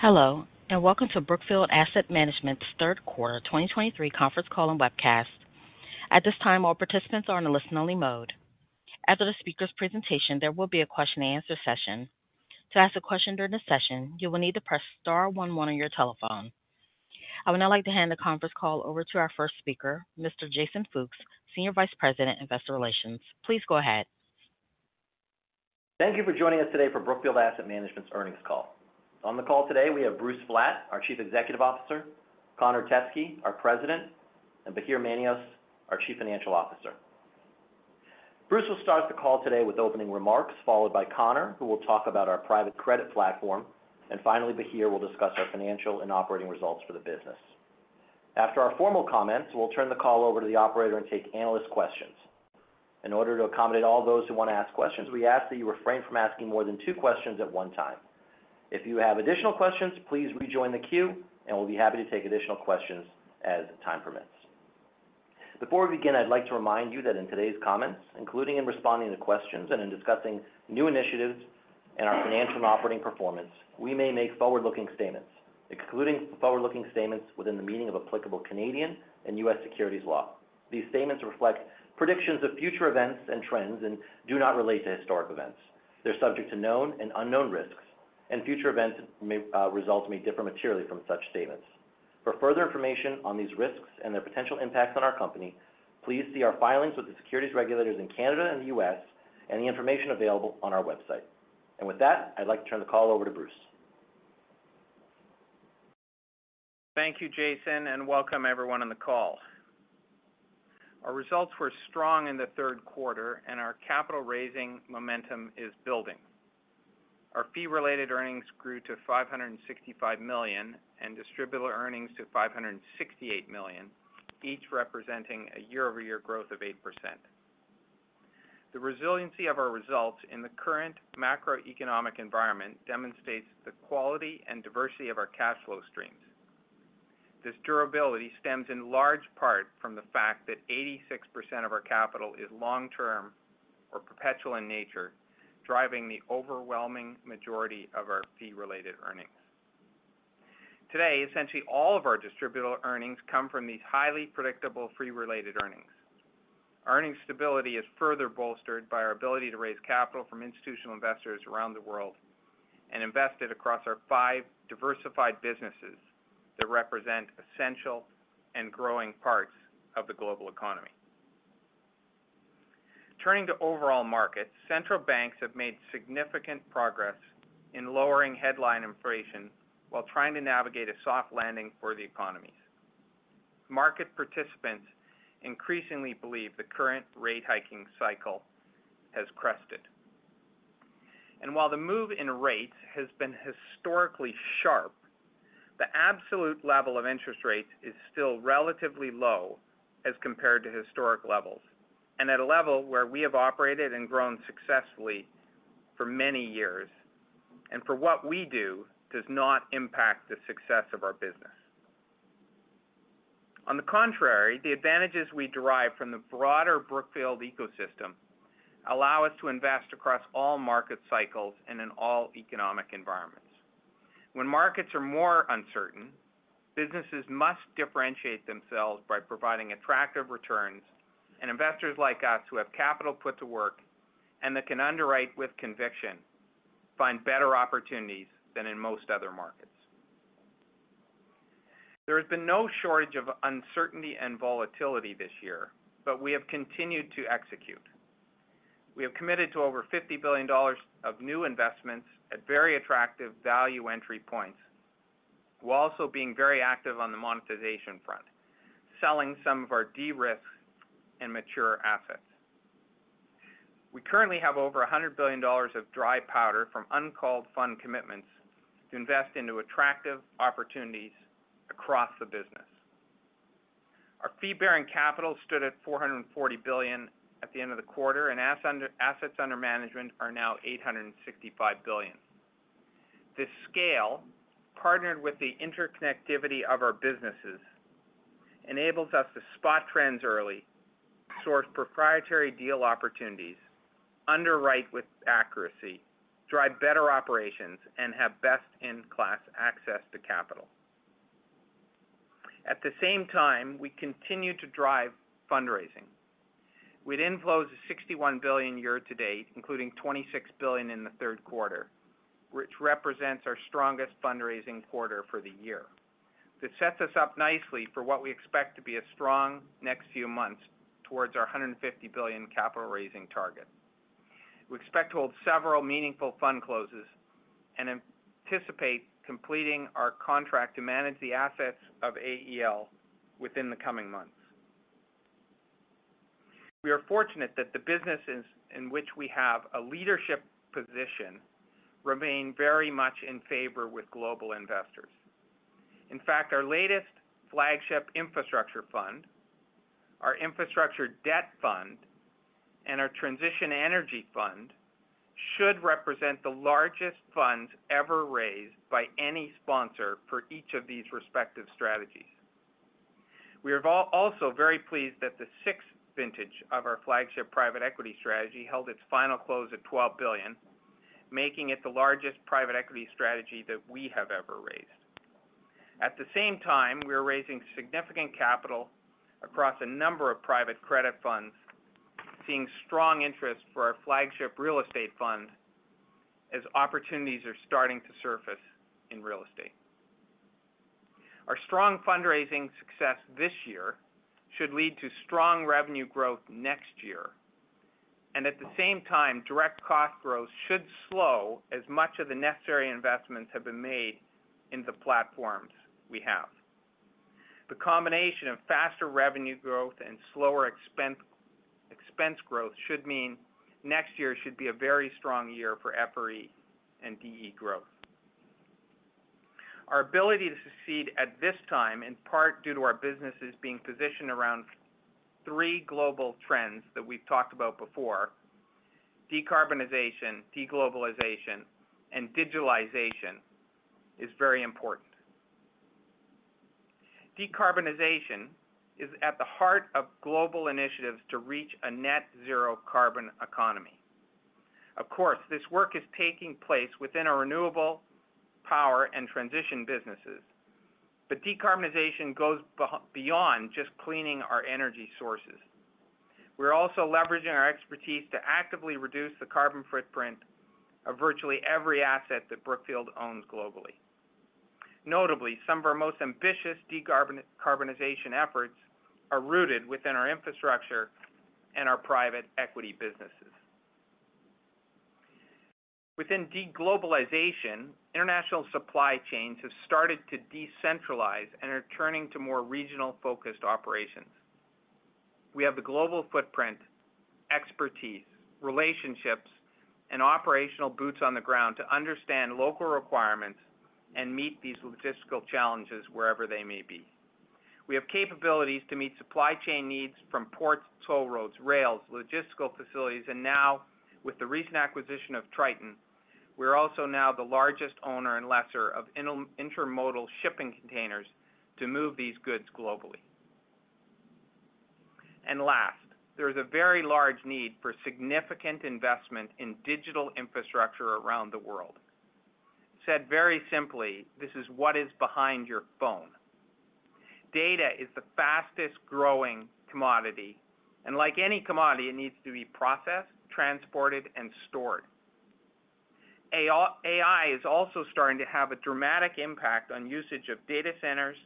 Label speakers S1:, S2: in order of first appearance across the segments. S1: Hello, and welcome to Brookfield Asset Management's third quarter 2023 conference call and webcast. At this time, all participants are in a listen-only mode. After the speaker's presentation, there will be a question-and-answer session. To ask a question during the session, you will need to press star one one on your telephone. I would now like to hand the conference call over to our first speaker, Mr. Jason Fooks, Senior Vice President, Investor Relations. Please go ahead.
S2: Thank you for joining us today for Brookfield Asset Management's earnings call. On the call today, we have Bruce Flatt, our Chief Executive Officer, Connor Teskey, our President, and Bahir Manios, our Chief Financial Officer. Bruce will start the call today with opening remarks, followed by Connor, who will talk about our private credit platform, and finally, Bahir will discuss our financial and operating results for the business. After our formal comments, we'll turn the call over to the operator and take analyst questions. In order to accommodate all those who want to ask questions, we ask that you refrain from asking more than two questions at one time. If you have additional questions, please rejoin the queue, and we'll be happy to take additional questions as time permits. Before we begin, I'd like to remind you that in today's comments, including in responding to questions and in discussing new initiatives and our financial and operating performance, we may make forward-looking statements, including forward-looking statements within the meaning of applicable Canadian and U.S. securities law. These statements reflect predictions of future events and trends and do not relate to historic events. They're subject to known and unknown risks, and future events may, results may differ materially from such statements. For further information on these risks and their potential impacts on our company, please see our filings with the securities regulators in Canada and the U.S. and the information available on our website. And with that, I'd like to turn the call over to Bruce.
S3: Thank you, Jason, and welcome everyone on the call. Our results were strong in the third quarter, and our capital-raising momentum is building. Our fee-related earnings grew to $565 million, and distributable earnings to $568 million, each representing a year-over-year growth of 8%. The resiliency of our results in the current macroeconomic environment demonstrates the quality and diversity of our cash flow streams. This durability stems in large part from the fact that 86% of our capital is long-term or perpetual in nature, driving the overwhelming majority of our fee-related earnings. Today, essentially all of our distributable earnings come from these highly predictable fee-related earnings. Earning stability is further bolstered by our ability to raise capital from institutional investors around the world and invest it across our five diversified businesses that represent essential and growing parts of the global economy. Turning to overall markets, central banks have made significant progress in lowering headline inflation while trying to navigate a soft landing for the economies. Market participants increasingly believe the current rate hiking cycle has crested. While the move in rates has been historically sharp, the absolute level of interest rates is still relatively low as compared to historic levels, and at a level where we have operated and grown successfully for many years, and for what we do, does not impact the success of our business. On the contrary, the advantages we derive from the broader Brookfield ecosystem allow us to invest across all market cycles and in all economic environments. When markets are more uncertain, businesses must differentiate themselves by providing attractive returns, and investors like us, who have capital put to work and that can underwrite with conviction, find better opportunities than in most other markets. There has been no shortage of uncertainty and volatility this year, but we have continued to execute. We have committed to over $50 billion of new investments at very attractive value entry points, while also being very active on the monetization front, selling some of our de-risk and mature assets. We currently have over $100 billion of dry powder from uncalled fund commitments to invest into attractive opportunities across the business. Our fee-bearing capital stood at $440 billion at the end of the quarter, and assets under management are now $865 billion. This scale, partnered with the interconnectivity of our businesses, enables us to spot trends early, source proprietary deal opportunities, underwrite with accuracy, drive better operations, and have best-in-class access to capital. At the same time, we continue to drive fundraising. had inflows of $61 billion year to date, including $26 billion in the third quarter, which represents our strongest fundraising quarter for the year. This sets us up nicely for what we expect to be a strong next few months towards our $150 billion capital raising target. We expect to hold several meaningful fund closes and anticipate completing our contract to manage the assets of AEL within the coming months. We are fortunate that the businesses in which we have a leadership position remain very much in favor with global investors. In fact, our latest flagship infrastructure fund, our infrastructure debt fund, and our transition energy fund should represent the largest funds ever raised by any sponsor for each of these respective strategies. We are also very pleased that the sixth vintage of our flagship private equity strategy held its final close at $12 billion, making it the largest private equity strategy that we have ever raised. At the same time, we are raising significant capital across a number of private credit funds, seeing strong interest for our flagship real estate fund as opportunities are starting to surface in real estate. Our strong fundraising success this year should lead to strong revenue growth next year, and at the same time, direct cost growth should slow as much of the necessary investments have been made in the platforms we have. The combination of faster revenue growth and slower expense growth should mean next year should be a very strong year for FRE and DE growth. Our ability to succeed at this time, in part due to our businesses being positioned around three global trends that we've talked about before: decarbonization, deglobalization, and digitalization, is very important. Decarbonization is at the heart of global initiatives to reach a net zero carbon economy. Of course, this work is taking place within our renewable power and transition businesses. But decarbonization goes beyond just cleaning our energy sources. We're also leveraging our expertise to actively reduce the carbon footprint of virtually every asset that Brookfield owns globally. Notably, some of our most ambitious decarbonization efforts are rooted within our infrastructure and our private equity businesses. Within deglobalization, international supply chains have started to decentralize and are turning to more regional focused operations. We have the global footprint, expertise, relationships, and operational boots on the ground to understand local requirements and meet these logistical challenges wherever they may be. We have capabilities to meet supply chain needs from ports, toll roads, rails, logistical facilities, and now, with the recent acquisition of Triton, we're also now the largest owner and lessor of intermodal shipping containers to move these goods globally. And last, there is a very large need for significant investment in digital infrastructure around the world. Said very simply, this is what is behind your phone. Data is the fastest growing commodity, and like any commodity, it needs to be processed, transported, and stored. AI, AI is also starting to have a dramatic impact on usage of data centers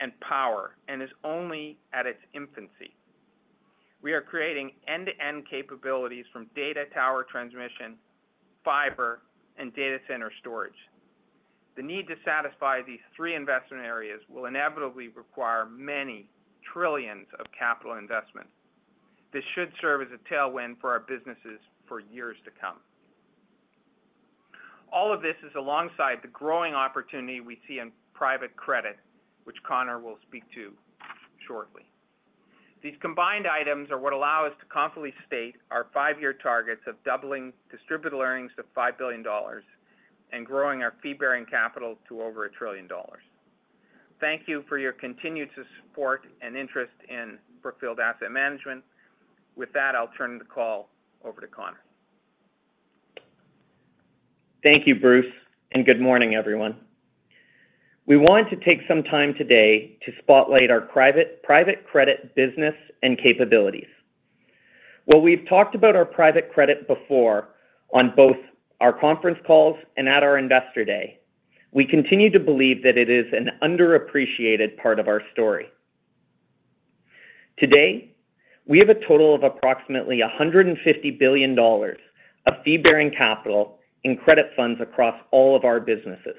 S3: and power, and is only at its infancy. We are creating end-to-end capabilities from data tower transmission, fiber, and data center storage. The need to satisfy these three investment areas will inevitably require many trillions of capital investment. This should serve as a tailwind for our businesses for years to come. All of this is alongside the growing opportunity we see in private credit, which Connor will speak to shortly. These combined items are what allow us to confidently state our five-year targets of doubling distributable earnings to $5 billion and growing our fee-bearing capital to over $1 trillion. Thank you for your continued support and interest in Brookfield Asset Management. With that, I'll turn the call over to Connor.
S4: Thank you, Bruce, and good morning, everyone. We wanted to take some time today to spotlight our private credit business and capabilities. While we've talked about our private credit before on both our conference calls and at our Investor Day, we continue to believe that it is an underappreciated part of our story. Today, we have a total of approximately $150 billion of fee-bearing capital in credit funds across all of our businesses.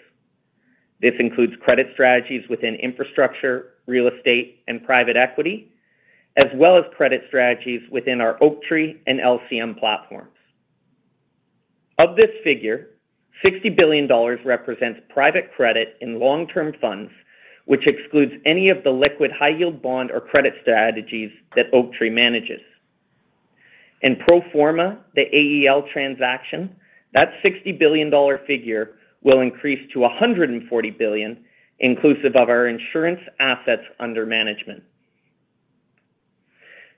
S4: This includes credit strategies within infrastructure, real estate, and private equity, as well as credit strategies within our Oaktree and LCM platforms. Of this figure, $60 billion represents private credit in long-term funds, which excludes any of the liquid high-yield bond or credit strategies that Oaktree manages. In pro forma, the AEL transaction, that $60 billion figure will increase to $140 billion, inclusive of our insurance assets under management.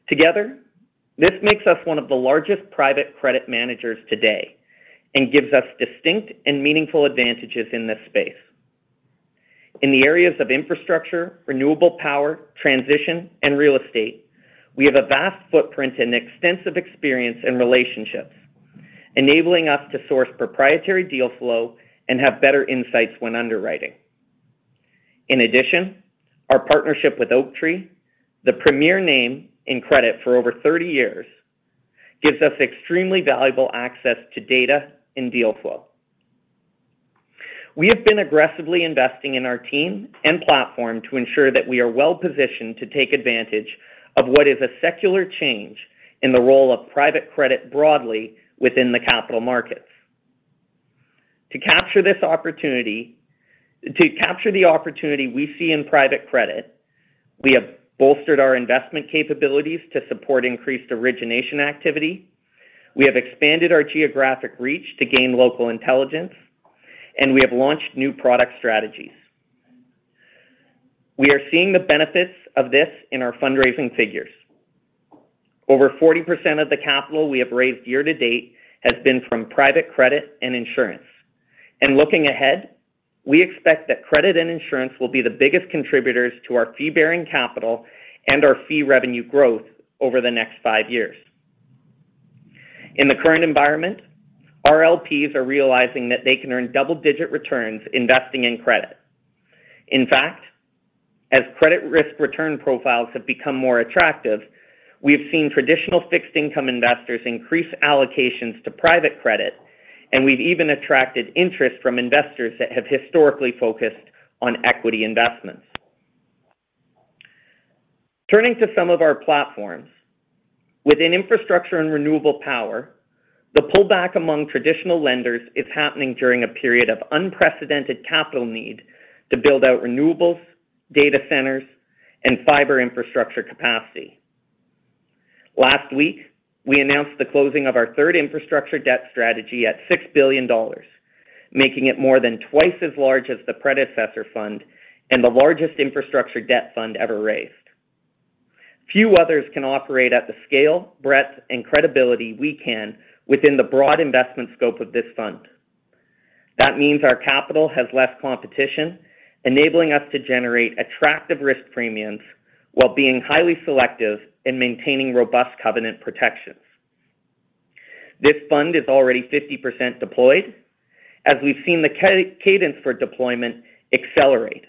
S4: Together, this makes us one of the largest private credit managers today and gives us distinct and meaningful advantages in this space. In the areas of infrastructure, renewable power, transition, and real estate, we have a vast footprint and extensive experience in relationships, enabling us to source proprietary deal flow and have better insights when underwriting. In addition, our partnership with Oaktree, the premier name in credit for over 30 years, gives us extremely valuable access to data and deal flow. We have been aggressively investing in our team and platform to ensure that we are well positioned to take advantage of what is a secular change in the role of private credit broadly within the capital markets. To capture this opportunity to capture the opportunity we see in private credit, we have bolstered our investment capabilities to support increased origination activity. We have expanded our geographic reach to gain local intelligence and we have launched new product strategies. We are seeing the benefits of this in our fundraising figures. Over 40% of the capital we have raised year to date has been from private credit and insurance. Looking ahead, we expect that credit and insurance will be the biggest contributors to our fee-bearing capital and our fee revenue growth over the next five years. In the current environment, our LPs are realizing that they can earn double-digit returns investing in credit. In fact, as credit risk return profiles have become more attractive, we have seen traditional fixed income investors increase allocations to private credit, and we've even attracted interest from investors that have historically focused on equity investments. Turning to some of our platforms. Within infrastructure and renewable power, the pullback among traditional lenders is happening during a period of unprecedented capital need to build out renewables, data centers, and fiber infrastructure capacity. Last week, we announced the closing of our third infrastructure debt strategy at $6 billion, making it more than twice as large as the predecessor fund and the largest infrastructure debt fund ever raised. Few others can operate at the scale, breadth, and credibility we can within the broad investment scope of this fund. That means our capital has less competition, enabling us to generate attractive risk premiums while being highly selective in maintaining robust covenant protections. This fund is already 50% deployed, as we've seen the cadence for deployment accelerate.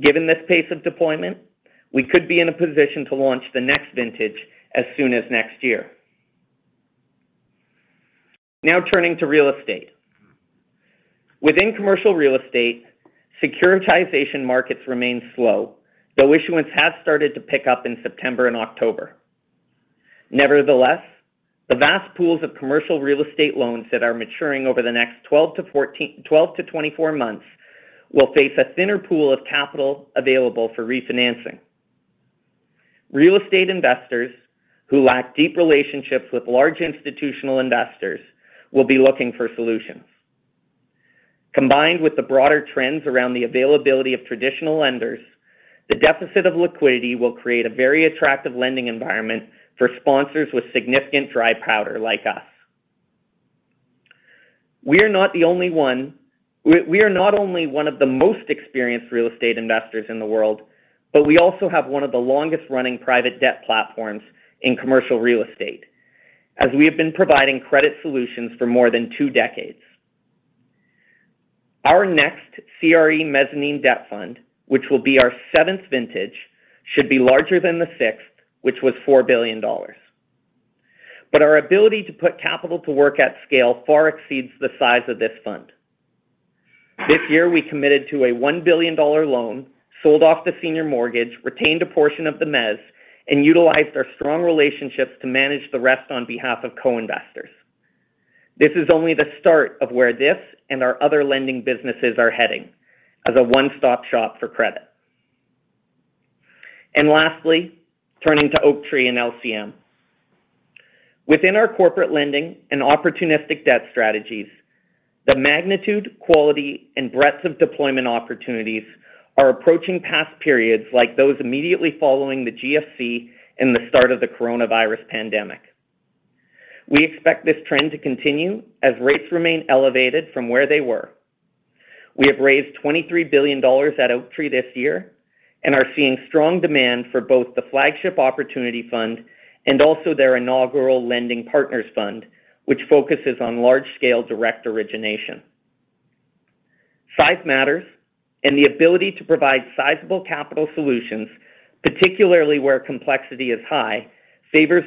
S4: Given this pace of deployment, we could be in a position to launch the next vintage as soon as next year. Now, turning to real estate. Within commercial real estate, securitization markets remain slow, though issuance has started to pick up in September and October. Nevertheless, the vast pools of commercial real estate loans that are maturing over the next 12-24 months will face a thinner pool of capital available for refinancing. Real estate investors who lack deep relationships with large institutional investors will be looking for solutions. Combined with the broader trends around the availability of traditional lenders, the deficit of liquidity will create a very attractive lending environment for sponsors with significant dry powder, like us. We are not only one of the most experienced real estate investors in the world, but we also have one of the longest-running private debt platforms in commercial real estate, as we have been providing credit solutions for more than two decades. Our next CRE mezzanine debt fund, which will be our seventh vintage, should be larger than the sixth, which was $4 billion. But our ability to put capital to work at scale far exceeds the size of this fund. This year, we committed to a $1 billion loan, sold off the senior mortgage, retained a portion of the mezz, and utilized our strong relationships to manage the rest on behalf of co-investors. This is only the start of where this and our other lending businesses are heading as a one-stop shop for credit. Lastly, turning to Oaktree and LCM. Within our corporate lending and opportunistic debt strategies, the magnitude, quality, and breadth of deployment opportunities are approaching past periods like those immediately following the GFC and the start of the coronavirus pandemic. We expect this trend to continue as rates remain elevated from where they were. We have raised $23 billion at Oaktree this year and are seeing strong demand for both the flagship opportunity fund and also their inaugural lending partners fund, which focuses on large-scale direct origination. Size matters, and the ability to provide sizable capital solutions, particularly where complexity is high, favors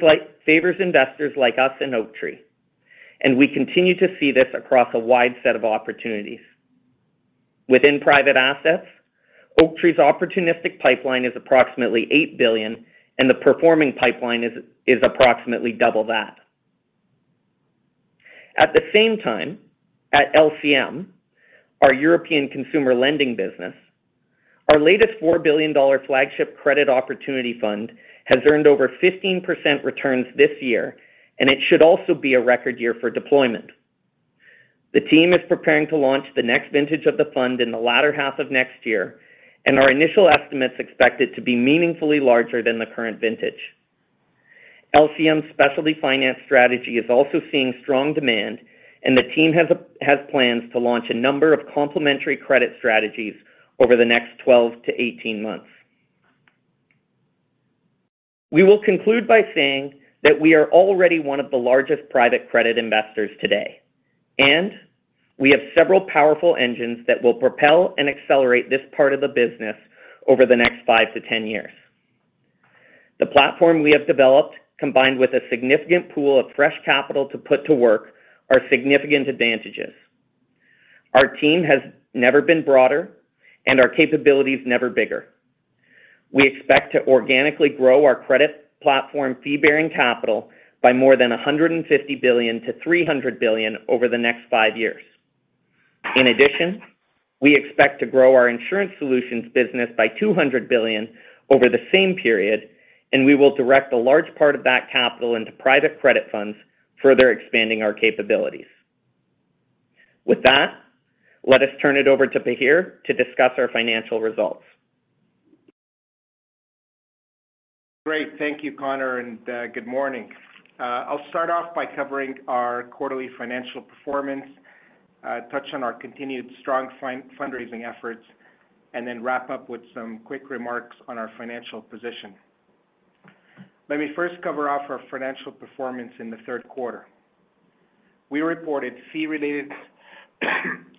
S4: investors like us and Oaktree, and we continue to see this across a wide set of opportunities. Within private assets, Oaktree's opportunistic pipeline is approximately $8 billion, and the performing pipeline is approximately double that. At the same time, at LCM, our European consumer lending business, our latest $4 billion flagship credit opportunity fund has earned over 15% returns this year, and it should also be a record year for deployment. The team is preparing to launch the next vintage of the fund in the latter half of next year, and our initial estimates expect it to be meaningfully larger than the current vintage. LCM's specialty finance strategy is also seeing strong demand, and the team has plans to launch a number of complementary credit strategies over the next 12-18 months. We will conclude by saying that we are already one of the largest private credit investors today, and we have several powerful engines that will propel and accelerate this part of the business over the next 5-10 years. The platform we have developed, combined with a significant pool of fresh capital to put to work, are significant advantages. Our team has never been broader and our capabilities never bigger. We expect to organically grow our credit platform fee-bearing capital by more than $150 billion-$300 billion over the next five years. In addition, we expect to grow our insurance solutions business by $200 billion over the same period, and we will direct a large part of that capital into private credit funds, further expanding our capabilities. With that, let us turn it over to Bahir to discuss our financial results.
S5: Great. Thank you, Connor, and good morning. I'll start off by covering our quarterly financial performance, touch on our continued strong fund fundraising efforts, and then wrap up with some quick remarks on our financial position. Let me first cover off our financial performance in the third quarter. We reported fee-related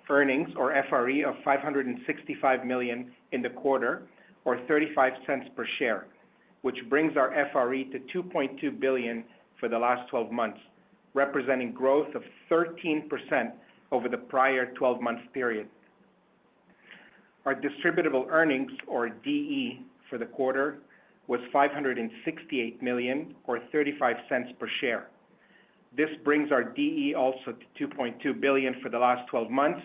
S5: earnings, or FRE, of $565 million in the quarter, or $0.35 per share, which brings our FRE to $2.2 billion for the last twelve months, representing growth of 13% over the prior twelve-month period. Our distributable earnings, or DE, for the quarter was $568 million, or $0.35 per share. This brings our DE also to $2.2 billion for the last twelve months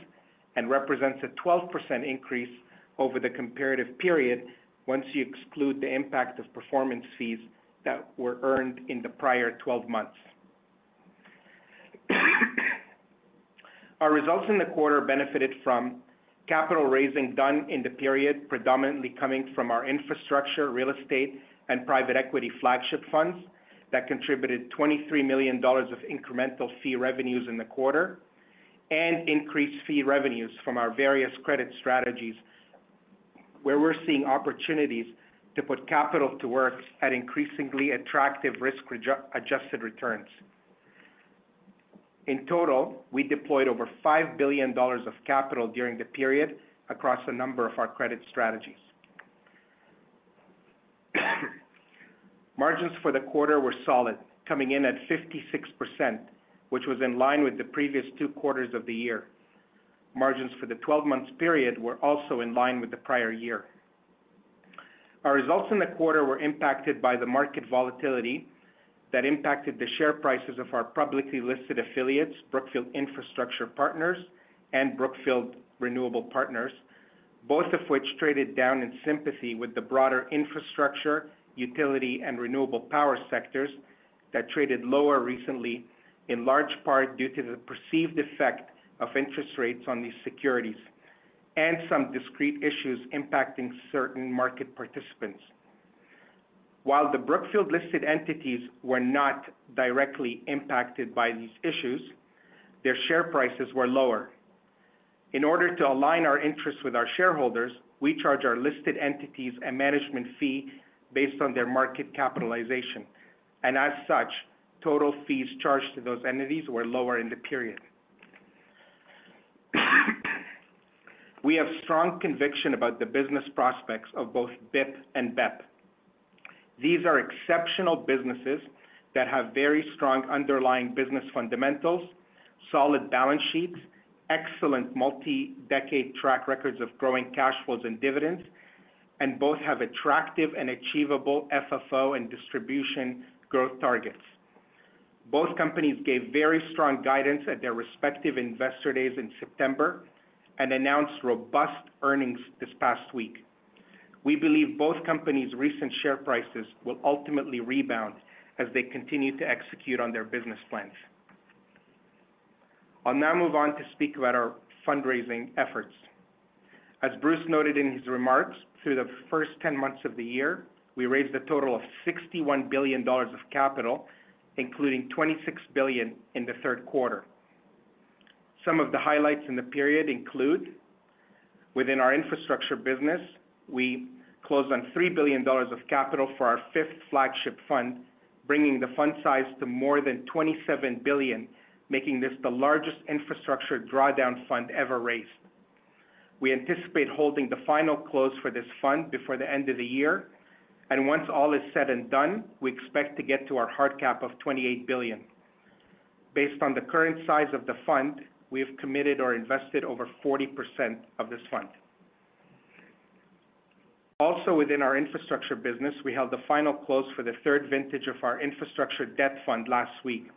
S5: and represents a 12% increase over the comparative period, once you exclude the impact of performance fees that were earned in the prior twelve months. Our results in the quarter benefited from capital raising done in the period, predominantly coming from our infrastructure, real estate, and private equity flagship funds that contributed $23 million of incremental fee revenues in the quarter, and increased fee revenues from our various credit strategies, where we're seeing opportunities to put capital to work at increasingly attractive risk-adjusted returns. In total, we deployed over $5 billion of capital during the period across a number of our credit strategies. Margins for the quarter were solid, coming in at 56%, which was in line with the previous two quarters of the year. Margins for the twelve months period were also in line with the prior year. Our results in the quarter were impacted by the market volatility that impacted the share prices of our publicly listed affiliates, Brookfield Infrastructure Partners and Brookfield Renewable Partners, both of which traded down in sympathy with the broader infrastructure, utility, and renewable power sectors that traded lower recently, in large part due to the perceived effect of interest rates on these securities and some discrete issues impacting certain market participants. While the Brookfield listed entities were not directly impacted by these issues, their share prices were lower. In order to align our interests with our shareholders, we charge our listed entities a management fee based on their market capitalization, and as such, total fees charged to those entities were lower in the period. We have strong conviction about the business prospects of both BIP and BEP. These are exceptional businesses that have very strong underlying business fundamentals, solid balance sheets, excellent multi-decade track records of growing cash flows and dividends, and both have attractive and achievable FFO and distribution growth targets. Both companies gave very strong guidance at their respective investor days in September and announced robust earnings this past week. We believe both companies' recent share prices will ultimately rebound as they continue to execute on their business plans. I'll now move on to speak about our fundraising efforts. As Bruce noted in his remarks, through the first 10 months of the year, we raised a total of $61 billion of capital, including $26 billion in the third quarter. Some of the highlights in the period include: within our infrastructure business, we closed on $3 billion of capital for our fifth flagship fund, bringing the fund size to more than $27 billion, making this the largest infrastructure drawdown fund ever raised. We anticipate holding the final close for this fund before the end of the year, and once all is said and done, we expect to get to our hard cap of $28 billion. Based on the current size of the fund, we have committed or invested over 40% of this fund. Also, within our infrastructure business, we held the final close for the third vintage of our infrastructure debt fund last week,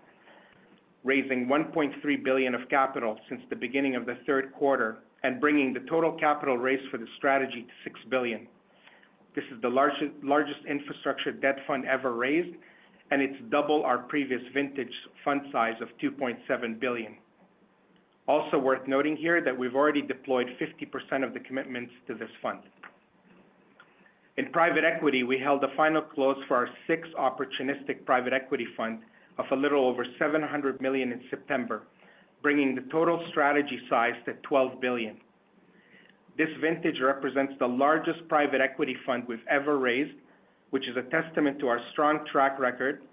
S5: raising $1.3 billion of capital since the beginning of the third quarter and bringing the total capital raised for the strategy to $6 billion. This is the largest, largest infrastructure debt fund ever raised, and it's double our previous vintage fund size of $2.7 billion. Also worth noting here that we've already deployed 50% of the commitments to this fund. In private equity, we held a final close for our sixth opportunistic private equity fund of a little over $700 million in September, bringing the total strategy size to $12 billion. This vintage represents the largest private equity fund we've ever raised, which is a testament to our strong track record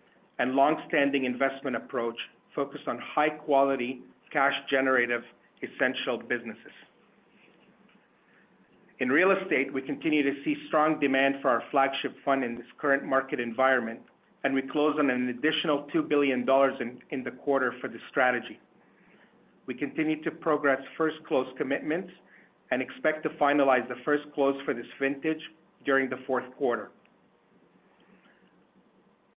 S5: and long-standing investment approach, focused on high quality, cash-generative, essential businesses. In real estate, we continue to see strong demand for our flagship fund in this current market environment, and we closed on an additional $2 billion in the quarter for the strategy. We continue to progress first close commitments and expect to finalize the first close for this vintage during the fourth quarter.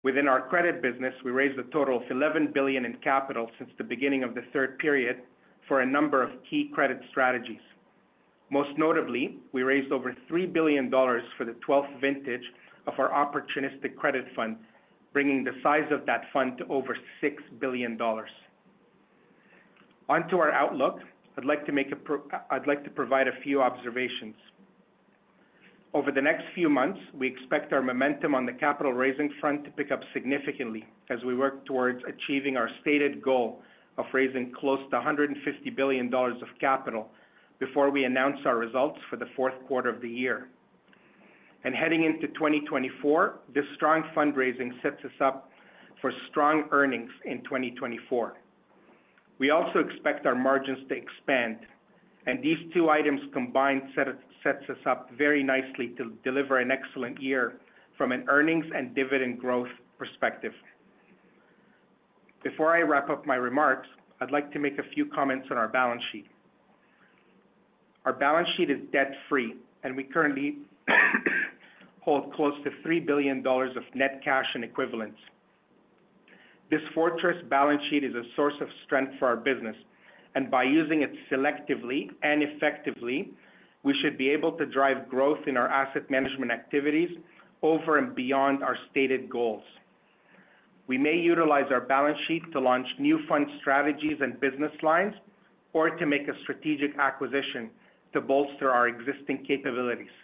S5: Within our credit business, we raised a total of $11 billion in capital since the beginning of the third period for a number of key credit strategies. Most notably, we raised over $3 billion for the 12th vintage of our opportunistic credit fund, bringing the size of that fund to over $6 billion. On to our outlook, I'd like to provide a few observations. Over the next few months, we expect our momentum on the capital raising front to pick up significantly as we work towards achieving our stated goal of raising close to $150 billion of capital before we announce our results for the fourth quarter of the year. Heading into 2024, this strong fundraising sets us up for strong earnings in 2024. We also expect our margins to expand, and these two items combined sets us up very nicely to deliver an excellent year from an earnings and dividend growth perspective. Before I wrap up my remarks, I'd like to make a few comments on our balance sheet. Our balance sheet is debt-free, and we currently hold close to $3 billion of net cash and equivalents. This fortress balance sheet is a source of strength for our business, and by using it selectively and effectively, we should be able to drive growth in our asset management activities over and beyond our stated goals. We may utilize our balance sheet to launch new fund strategies and business lines, or to make a strategic acquisition to bolster our existing capabilities.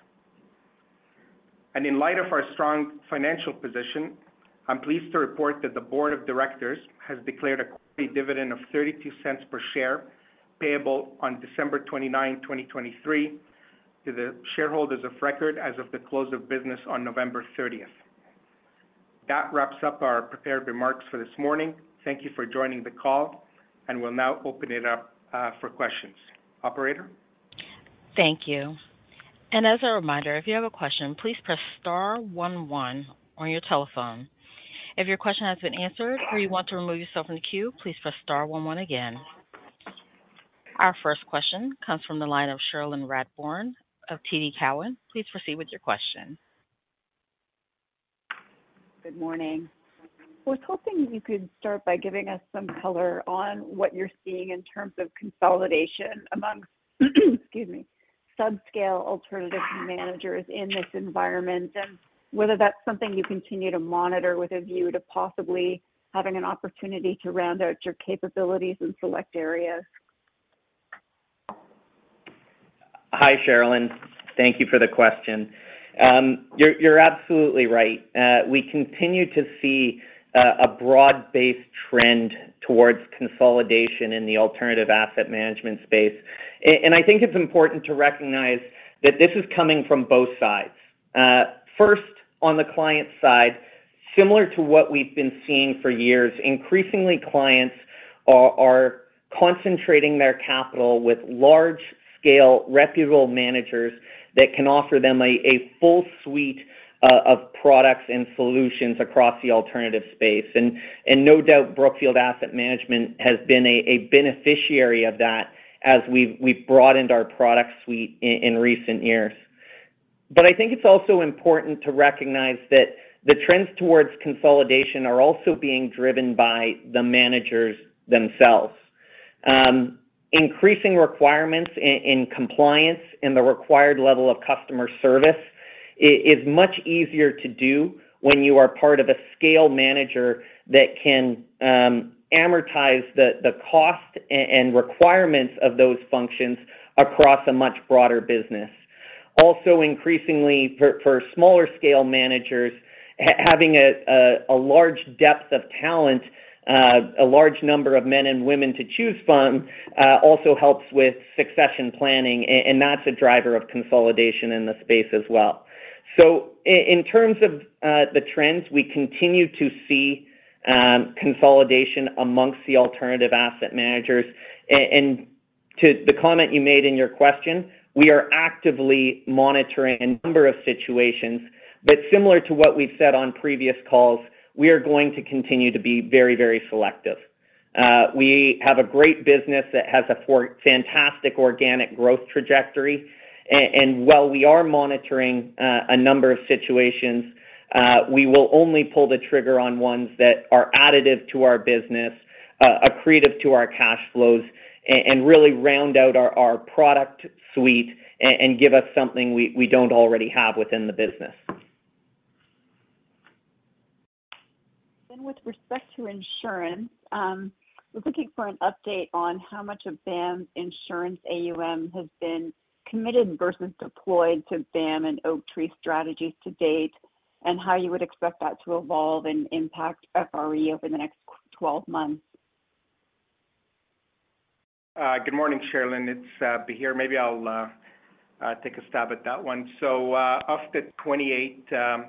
S5: In light of our strong financial position, I'm pleased to report that the board of directors has declared a dividend of $0.32 per share, payable on December 29, 2023, to the shareholders of record as of the close of business on November 30. That wraps up our prepared remarks for this morning. Thank you for joining the call, and we'll now open it up for questions. Operator?
S1: Thank you. And as a reminder, if you have a question, please press star one one on your telephone. If your question has been answered or you want to remove yourself from the queue, please press star one one again. Our first question comes from the line of Cherilyn Radbourne of TD Cowen. Please proceed with your question.
S6: Good morning. I was hoping you could start by giving us some color on what you're seeing in terms of consolidation amongst, excuse me, subscale alternative managers in this environment, and whether that's something you continue to monitor with a view to possibly having an opportunity to round out your capabilities in select areas?
S4: Hi, Cherilyn. Thank you for the question. You're absolutely right. We continue to see a broad-based trend towards consolidation in the alternative asset management space. And I think it's important to recognize that this is coming from both sides. First, on the client side, similar to what we've been seeing for years, increasingly clients are concentrating their capital with large-scale, reputable managers that can offer them a full suite of products and solutions across the alternative space. And no doubt, Brookfield Asset Management has been a beneficiary of that as we've broadened our product suite in recent years. But I think it's also important to recognize that the trends towards consolidation are also being driven by the managers themselves. Increasing requirements in compliance and the required level of customer service is much easier to do when you are part of a scale manager that can amortize the cost and requirements of those functions across a much broader business. Also, increasingly, for smaller scale managers, having a large depth of talent, a large number of men and women to choose from, also helps with succession planning, and that's a driver of consolidation in the space as well. So in terms of the trends, we continue to see consolidation amongst the alternative asset managers. And to the comment you made in your question, we are actively monitoring a number of situations, but similar to what we've said on previous calls, we are going to continue to be very, very selective. We have a great business that has a fantastic organic growth trajectory, and while we are monitoring a number of situations, we will only pull the trigger on ones that are additive to our business, accretive to our cash flows, and really round out our product suite and give us something we don't already have within the business.
S6: With respect to insurance, we're looking for an update on how much of BAM's insurance AUM has been committed versus deployed to BAM and Oaktree Strategies to date, and how you would expect that to evolve and impact FRE over the next 12 months?
S5: Good morning, Cherilyn. It's Bahir. Maybe I'll take a stab at that one. So, of the $28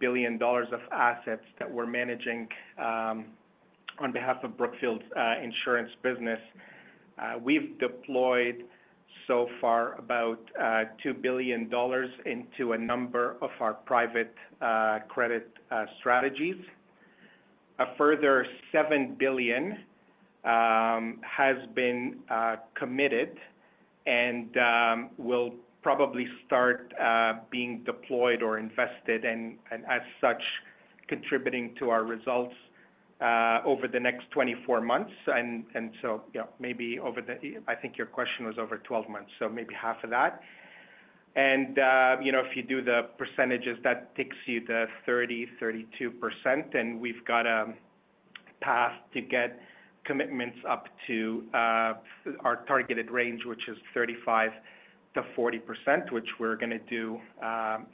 S5: billion of assets that we're managing on behalf of Brookfield's insurance business, we've deployed so far about $2 billion into a number of our private credit strategies. A further $7 billion has been committed and will probably start being deployed or invested, and as such, contributing to our results over the next 24 months. So, yeah, maybe over the, I think your question was over 12 months, so maybe half of that. You know, if you do the percentages, that takes you to 30%-32%, and we've got a path to get commitments up to our targeted range, which is 35%-40%, which we're gonna do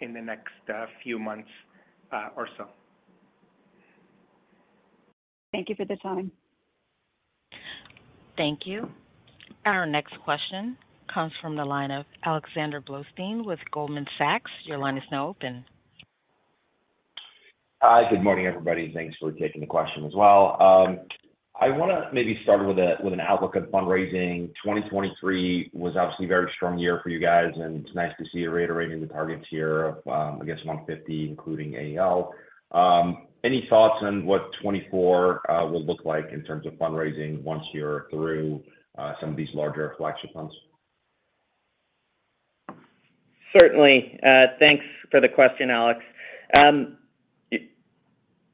S5: in the next few months or so.
S6: Thank you for the time.
S1: Thank you. Our next question comes from the line of Alexander Blostein with Goldman Sachs. Your line is now open.
S7: Hi, good morning, everybody, and thanks for taking the question as well. I wanna maybe start with a, with an outlook of fundraising. 2023 was obviously a very strong year for you guys, and it's nice to see you reiterating the targets here of, I guess, 150, including AEL. Any thoughts on what 2024 will look like in terms of fundraising once you're through some of these larger flagship funds?
S4: Certainly. Thanks for the question, Alex.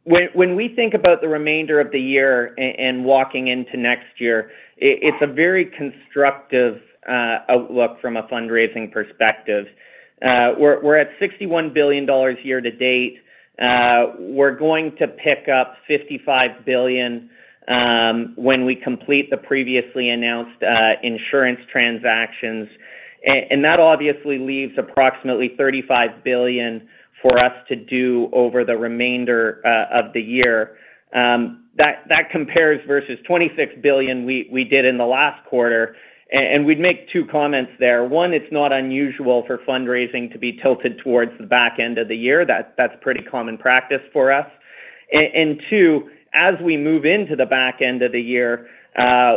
S4: When we think about the remainder of the year and walking into next year, it's a very constructive outlook from a fundraising perspective. We're at $61 billion year to date. We're going to pick up $55 billion when we complete the previously announced insurance transactions. And that obviously leaves approximately $35 billion for us to do over the remainder of the year. That compares versus $26 billion we did in the last quarter. And we'd make two comments there. One, it's not unusual for fundraising to be tilted towards the back end of the year. That's pretty common practice for us. And two, as we move into the back end of the year,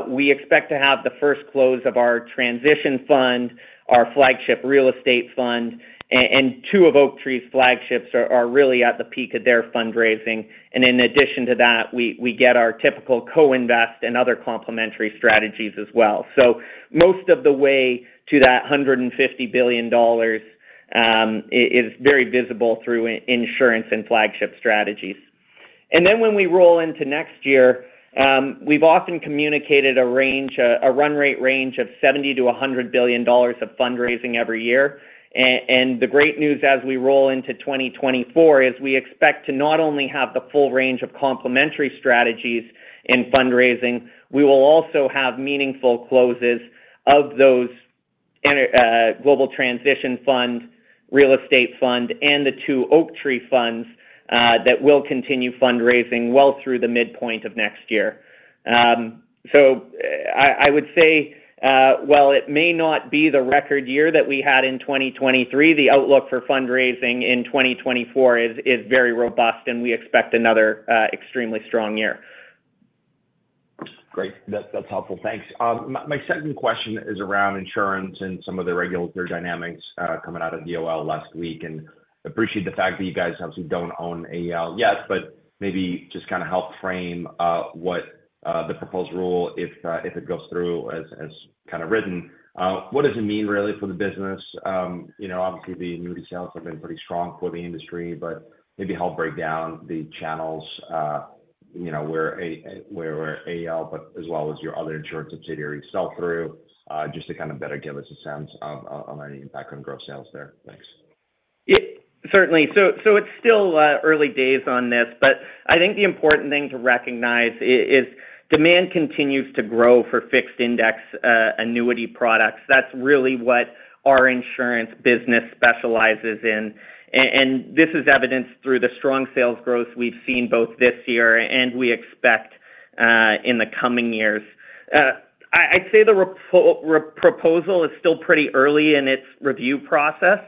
S4: we expect to have the first close of our transition fund, our flagship real estate fund, and two of Oaktree's flagships are really at the peak of their fundraising. And in addition to that, we get our typical co-invest and other complementary strategies as well. So most of the way to that $150 billion is very visible through insurance and flagship strategies. And then when we roll into next year, we've often communicated a range, a run rate range of $70 billion-$100 billion of fundraising every year. And the great news as we roll into 2024 is we expect to not only have the full range of complementary strategies in fundraising, we will also have meaningful closes of those global transition fund, real estate fund, and the two Oaktree funds that will continue fundraising well through the midpoint of next year. So I, I would say, while it may not be the record year that we had in 2023, the outlook for fundraising in 2024 is very robust, and we expect another extremely strong year.
S7: Great. That's, that's helpful. Thanks. My second question is around insurance and some of the regulatory dynamics coming out of DOL last week. Appreciate the fact that you guys obviously don't own AEL yet, but maybe just kind of help frame what the proposed rule if it goes through as kind of written. What does it mean, really, for the business? You know, obviously, the annuity sales have been pretty strong for the industry, but maybe help break down the channels, you know, where AEL, but as well as your other insurance subsidiaries sell through, just to kind of better give us a sense of on any impact on growth sales there. Thanks.
S4: Yeah. Certainly. So it's still early days on this, but I think the important thing to recognize is demand continues to grow for fixed-index annuity products. That's really what our insurance business specializes in. And this is evidenced through the strong sales growth we've seen both this year and we expect in the coming years. I'd say the proposal is still pretty early in its review process,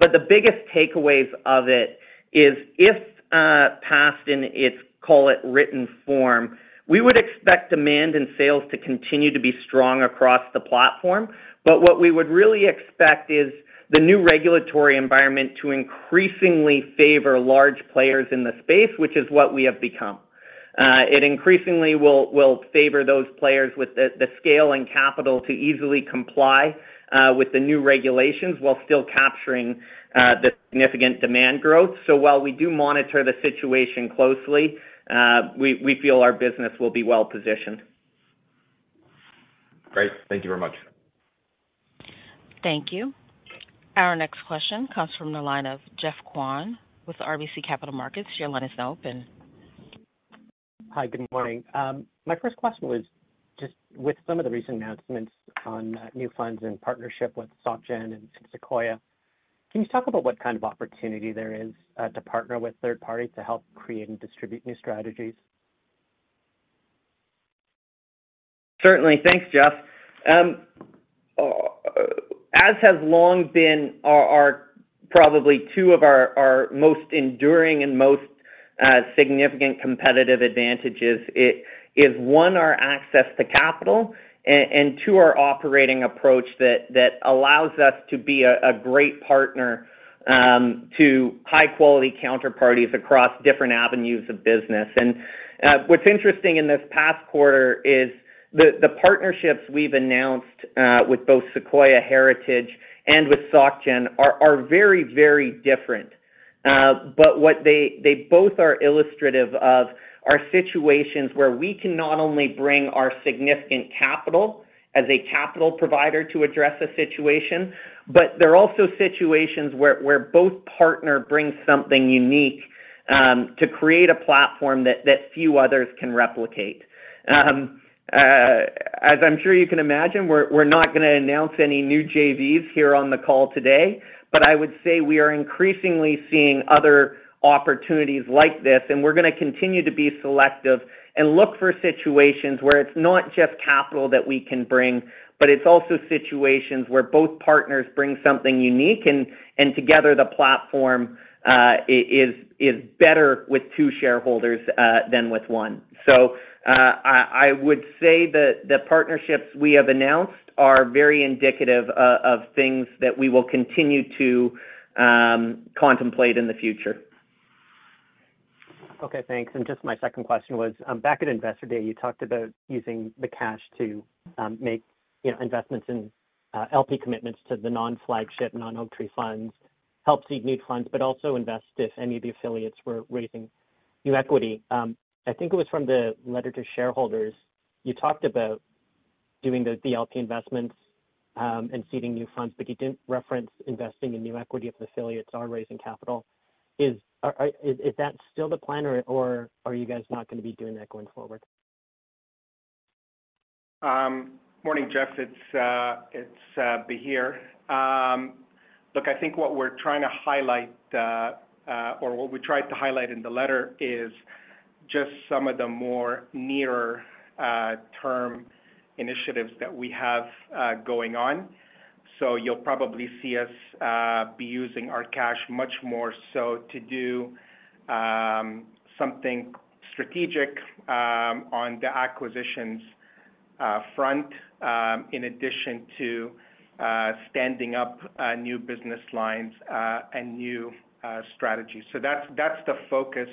S4: but the biggest takeaways of it is if passed in its, call it, written form, we would expect demand and sales to continue to be strong across the platform. But what we would really expect is the new regulatory environment to increasingly favor large players in the space, which is what we have become. It increasingly will favor those players with the scale and capital to easily comply with the new regulations, while still capturing the significant demand growth. So while we do monitor the situation closely, we feel our business will be well positioned.
S7: Great. Thank you very much.
S1: Thank you. Our next question comes from the line of Jeff Kwan with RBC Capital Markets. Your line is now open.
S8: Hi, good morning. My first question was just with some of the recent announcements on new funds and partnership with SocGen and Sequoia, can you talk about what kind of opportunity there is to partner with third parties to help create and distribute new strategies?
S4: Certainly. Thanks, Jeff. As has long been our, probably two of our most enduring and most significant competitive advantages, it is, one, our access to capital, and two, our operating approach that allows us to be a great partner to high-quality counterparties across different avenues of business. What's interesting in this past quarter is the partnerships we've announced with both Sequoia Heritage and with SocGen are very, very different. But what they both are illustrative of are situations where we can not only bring our significant capital as a capital provider to address a situation, but they're also situations where both partner brings something unique to create a platform that few others can replicate. As I'm sure you can imagine, we're not gonna announce any new JVs here on the call today, but I would say we are increasingly seeing other opportunities like this, and we're gonna continue to be selective and look for situations where it's not just capital that we can bring, but it's also situations where both partners bring something unique and together the platform is better with two shareholders than with one. So, I would say that the partnerships we have announced are very indicative of things that we will continue to contemplate in the future.
S8: Okay, thanks. And just my second question was, back at Investor Day, you talked about using the cash to make, you know, investments in LP commitments to the non-flagship, non-Oaktree funds, help seek new funds, but also invest if any of the affiliates were raising new equity. I think it was from the letter to shareholders, you talked about doing the LP investments and seeding new funds, but you didn't reference investing in new equity if affiliates are raising capital. Is that still the plan, or are you guys not gonna be doing that going forward?
S5: Morning, Jeff. It's Bahir. Look, I think what we're trying to highlight or what we tried to highlight in the letter is just some of the more nearer term initiatives that we have going on. So you'll probably see us be using our cash much more so to do something strategic on the acquisitions front, in addition to standing up new business lines and new strategies. So that's the focus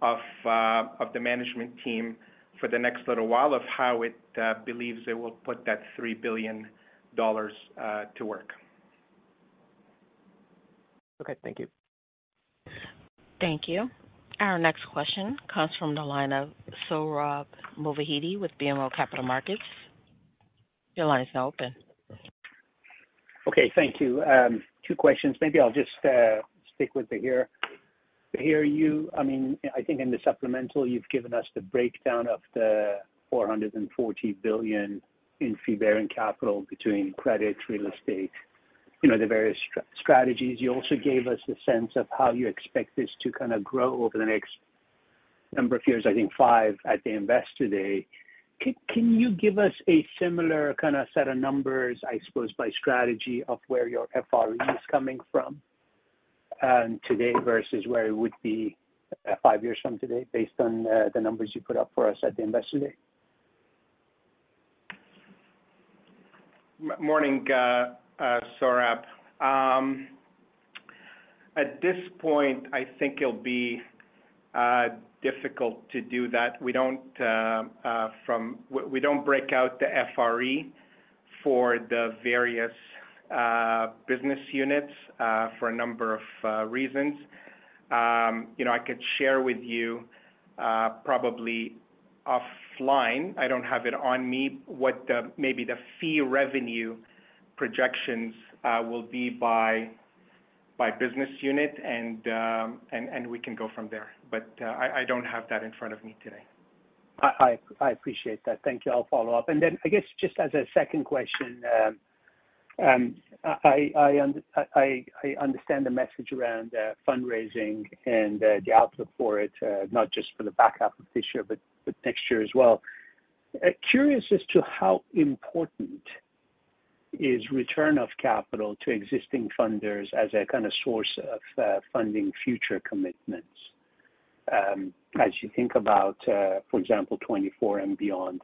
S5: of the management team for the next little while of how it believes it will put that $3 billion to work.
S8: Okay. Thank you.
S1: Thank you. Our next question comes from the line of Sohrab Movahedi with BMO Capital Markets. Your line is now open.
S9: Okay, thank you. Two questions. Maybe I'll just stick with Bahir. Bahir, you, I mean, I think in the supplemental, you've given us the breakdown of the $440 billion in fee-bearing capital between credit, real estate, you know, the various strategies. You also gave us a sense of how you expect this to kind of grow over the next number of years, I think five, at the Investor Day. Can you give us a similar kind of set of numbers, I suppose, by strategy of where your FRE is coming from today versus where it would be five years from today, based on the numbers you put up for us at the Investor Day?
S5: Morning, Sohrab. At this point, I think it'll be difficult to do that. We don't, we don't break out the FRE for the various business units for a number of reasons. You know, I could share with you, probably offline, I don't have it on me, what the maybe the fee revenue projections will be by business unit, and we can go from there. But I don't have that in front of me today.
S9: I appreciate that. Thank you. I'll follow up. And then, I guess, just as a second question, I understand the message around fundraising and the outlook for it, not just for the back half of this year, but next year as well. Curious as to how important is return of capital to existing funders as a kind of source of funding future commitments, as you think about, for example, 2024 and beyond?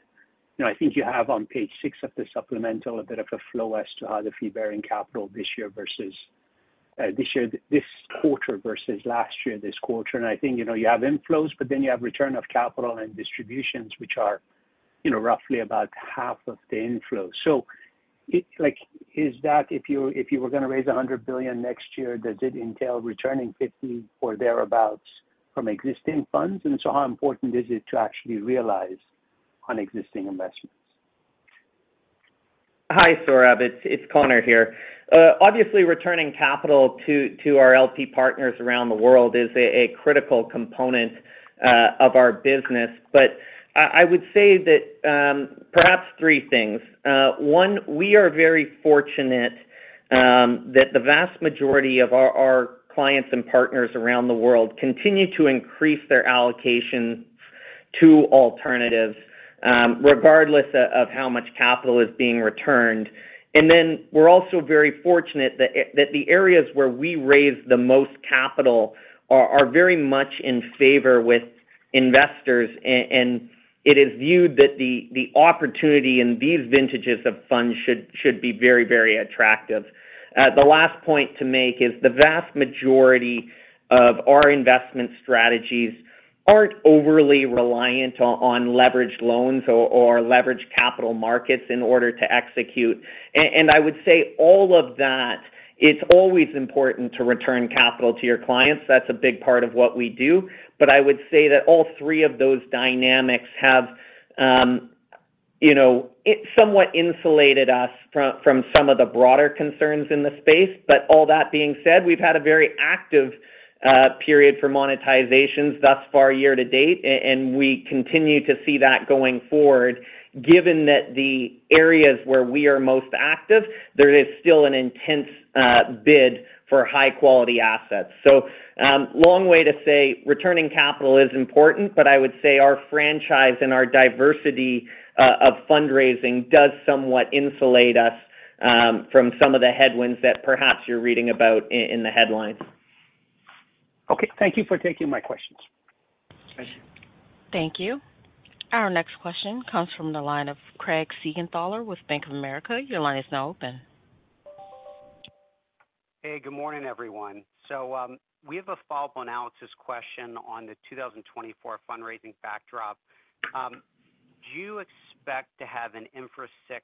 S9: You know, I think you have on page 6 of the supplemental a bit of a flow as to how the fee bearing capital this year versus this year, this quarter versus last year, this quarter. I think, you know, you have inflows, but then you have return of capital and distributions, which are, you know, roughly about half of the inflows. So, like, is that if you, if you were gonna raise $100 billion next year, does it entail returning $50 billion or thereabouts from existing funds? And so how important is it to actually realize on existing investments?
S4: Hi, Sohrab. It's Connor here. Obviously, returning capital to our LP partners around the world is a critical component of our business. But I would say that perhaps three things. One, we are very fortunate that the vast majority of our clients and partners around the world continue to increase their allocation to alternatives, regardless of how much capital is being returned. And then we're also very fortunate that the areas where we raise the most capital are very much in favor with investors. And it is viewed that the opportunity in these vintages of funds should be very, very attractive. The last point to make is the vast majority of our investment strategies aren't overly reliant on leveraged loans or leveraged capital markets in order to execute. And I would say all of that, it's always important to return capital to your clients. That's a big part of what we do. But I would say that all three of those dynamics have, you know, somewhat insulated us from some of the broader concerns in the space. But all that being said, we've had a very active period for monetizations thus far, year to date, and we continue to see that going forward. Given that the areas where we are most active, there is still an intense bid for high-quality assets. So, long way to say, returning capital is important, but I would say our franchise and our diversity of fundraising does somewhat insulate us from some of the headwinds that perhaps you're reading about in the headlines.
S9: Okay, thank you for taking my questions.
S4: Thank you.
S1: Thank you. Our next question comes from the line of Craig Siegenthaler with Bank of America. Your line is now open.
S10: Hey, good morning, everyone. So, we have a follow-up on Alex's question on the 2024 fundraising backdrop. Do you expect to have an Infra VI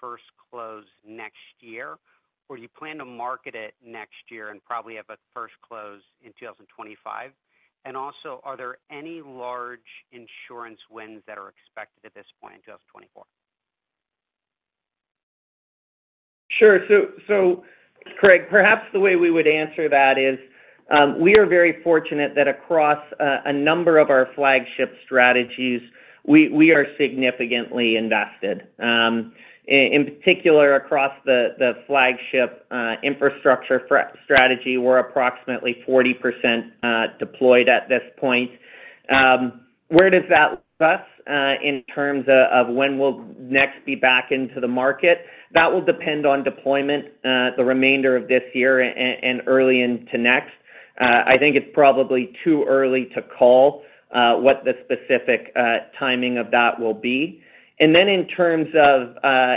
S10: first close next year, or you plan to market it next year and probably have a first close in 2025? And also, are there any large insurance wins that are expected at this point in 2024?
S4: Sure. So, Craig, perhaps the way we would answer that is, we are very fortunate that across a number of our flagship strategies, we are significantly invested. In particular, across the flagship infrastructure strategy, we're approximately 40% deployed at this point. Where does that leave us in terms of when we'll next be back into the market? That will depend on deployment the remainder of this year and early into next. I think it's probably too early to call what the specific timing of that will be. And then in terms of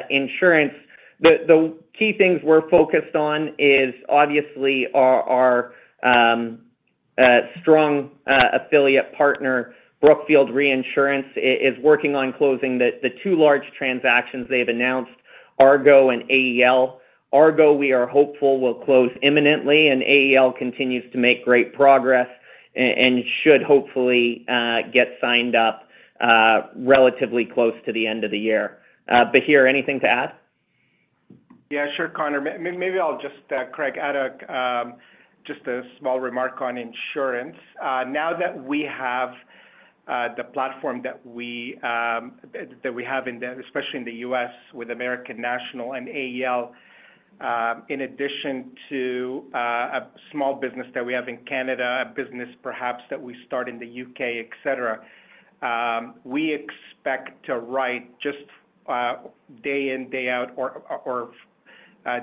S4: insurance, the key things we're focused on is obviously our strong affiliate partner, Brookfield Reinsurance, is working on closing the two large transactions they've announced, Argo and AEL. Argo, we are hopeful will close imminently, and AEL continues to make great progress and should hopefully get signed up relatively close to the end of the year. Bahir, anything to add?
S5: Yeah, sure, Connor. Maybe I'll just, Craig, add just a small remark on insurance. Now that we have the platform that we have in the especially in the U.S. with American National and AEL, in addition to a small business that we have in Canada, a business perhaps that we start in the U.K., et cetera, we expect to write just day in, day out or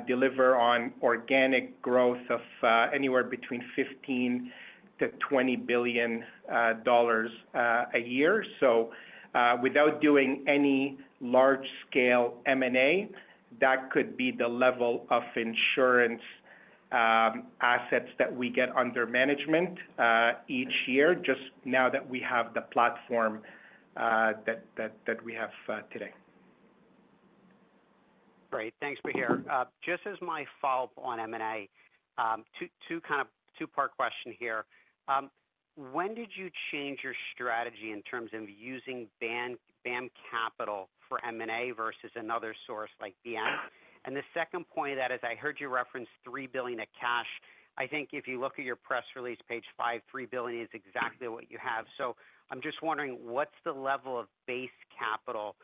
S5: deliver on organic growth of anywhere between $15 billion-$20 billion a year. So, without doing any large-scale M&A, that could be the level of insurance assets that we get under management each year, just now that we have the platform that we have today.
S10: Great. Thanks, Bahir. Just as my follow-up on M&A, 2, 2 kind of 2-part question here. When did you change your strategy in terms of using BAM Capital for M&A versus another source like BN? And the second point of that is, I heard you reference $3 billion of cash. I think if you look at your press release, page 5, $3 billion is exactly what you have. So I'm just wondering, what's the level of base capital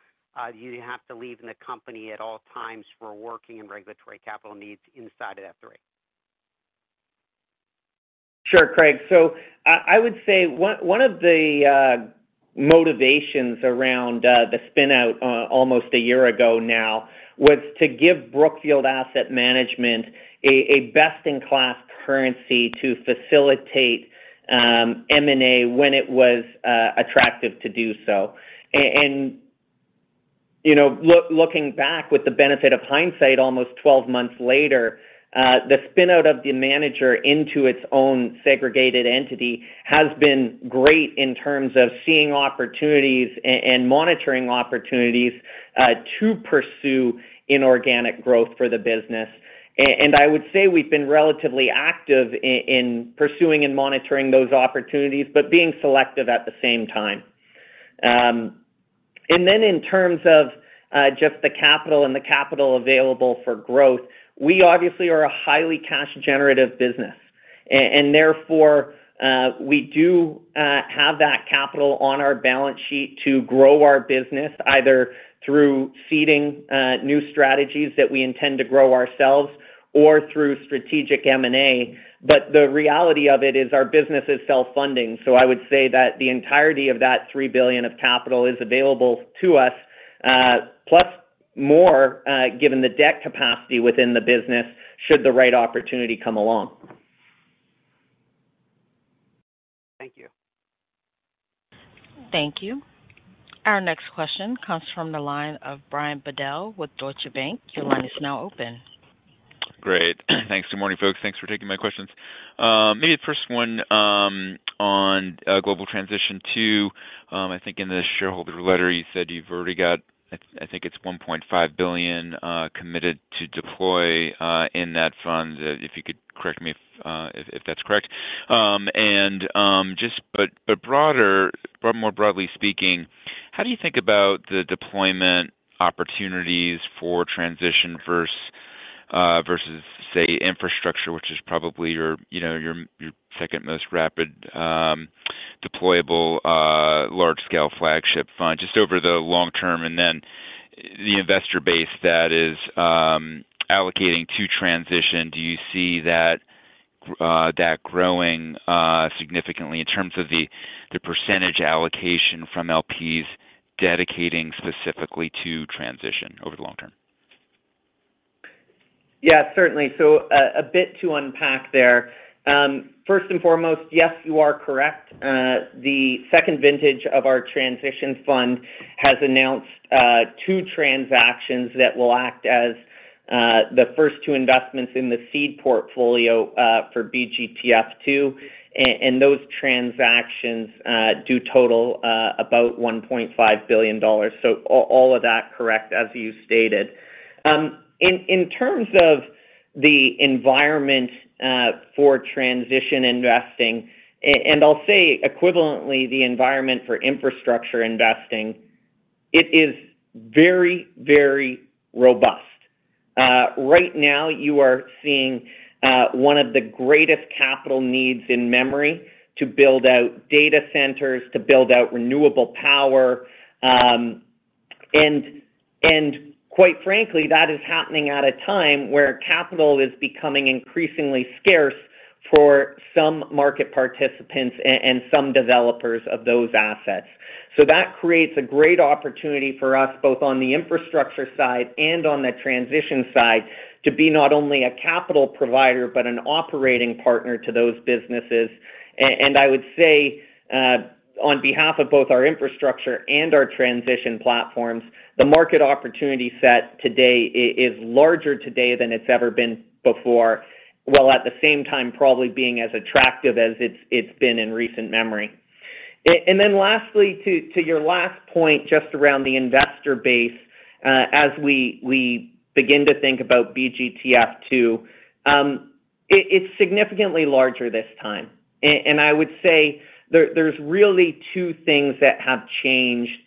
S10: you have to leave in the company at all times for working and regulatory capital needs inside of F3?
S4: Sure, Craig. So I would say one of the motivations around the spinout almost a year ago now was to give Brookfield Asset Management a best-in-class currency to facilitate M&A when it was attractive to do so. And you know, looking back with the benefit of hindsight, almost 12 months later, the spinout of the manager into its own segregated entity has been great in terms of seeing opportunities and monitoring opportunities to pursue inorganic growth for the business. And I would say we've been relatively active in pursuing and monitoring those opportunities, but being selective at the same time. And then in terms of just the capital and the capital available for growth, we obviously are a highly cash-generative business. And therefore, we do have that capital on our balance sheet to grow our business, either through seeding new strategies that we intend to grow ourselves or through strategic M&A. But the reality of it is our business is self-funding, so I would say that the entirety of that $3 billion of capital is available to us... plus more, given the debt capacity within the business, should the right opportunity come along.
S10: Thank you.
S1: Thank you. Our next question comes from the line of Brian Bedell with Deutsche Bank. Your line is now open.
S11: Great. Thanks. Good morning, folks. Thanks for taking my questions. Maybe the first one, on Global Transition II I think in the shareholder letter, you said you've already got, I think it's $1.5 billion committed to deploy in that fund. If you could correct me if that's correct. And just but more broadly speaking, how do you think about the deployment opportunities for transition versus infrastructure, which is probably your, you know, your second most rapid deployable large-scale flagship fund, just over the long term? And then the investor base that is allocating to transition, do you see that growing significantly in terms of the percentage allocation from LPs dedicating specifically to transition over the long term?
S4: Yeah, certainly. So, a bit to unpack there. First and foremost, yes, you are correct. The second vintage of our transition fund has announced, two transactions that will act as, the first two investments in the seed portfolio, for BGTF II, and those transactions, do total, about $1.5 billion. So all, all of that correct, as you stated. In terms of the environment, for transition investing, and I'll say equivalently, the environment for infrastructure investing, it is very, very robust. Right now, you are seeing, one of the greatest capital needs in memory to build out data centers, to build out renewable power. And quite frankly, that is happening at a time where capital is becoming increasingly scarce for some market participants and some developers of those assets. So that creates a great opportunity for us, both on the infrastructure side and on the transition side, to be not only a capital provider, but an operating partner to those businesses. And I would say, on behalf of both our infrastructure and our transition platforms, the market opportunity set today is larger today than it's ever been before, while at the same time, probably being as attractive as it's been in recent memory. And then lastly, to your last point, just around the investor base, as we begin to think about BGTF 2, it's significantly larger this time. And I would say there, there's really two things that have changed,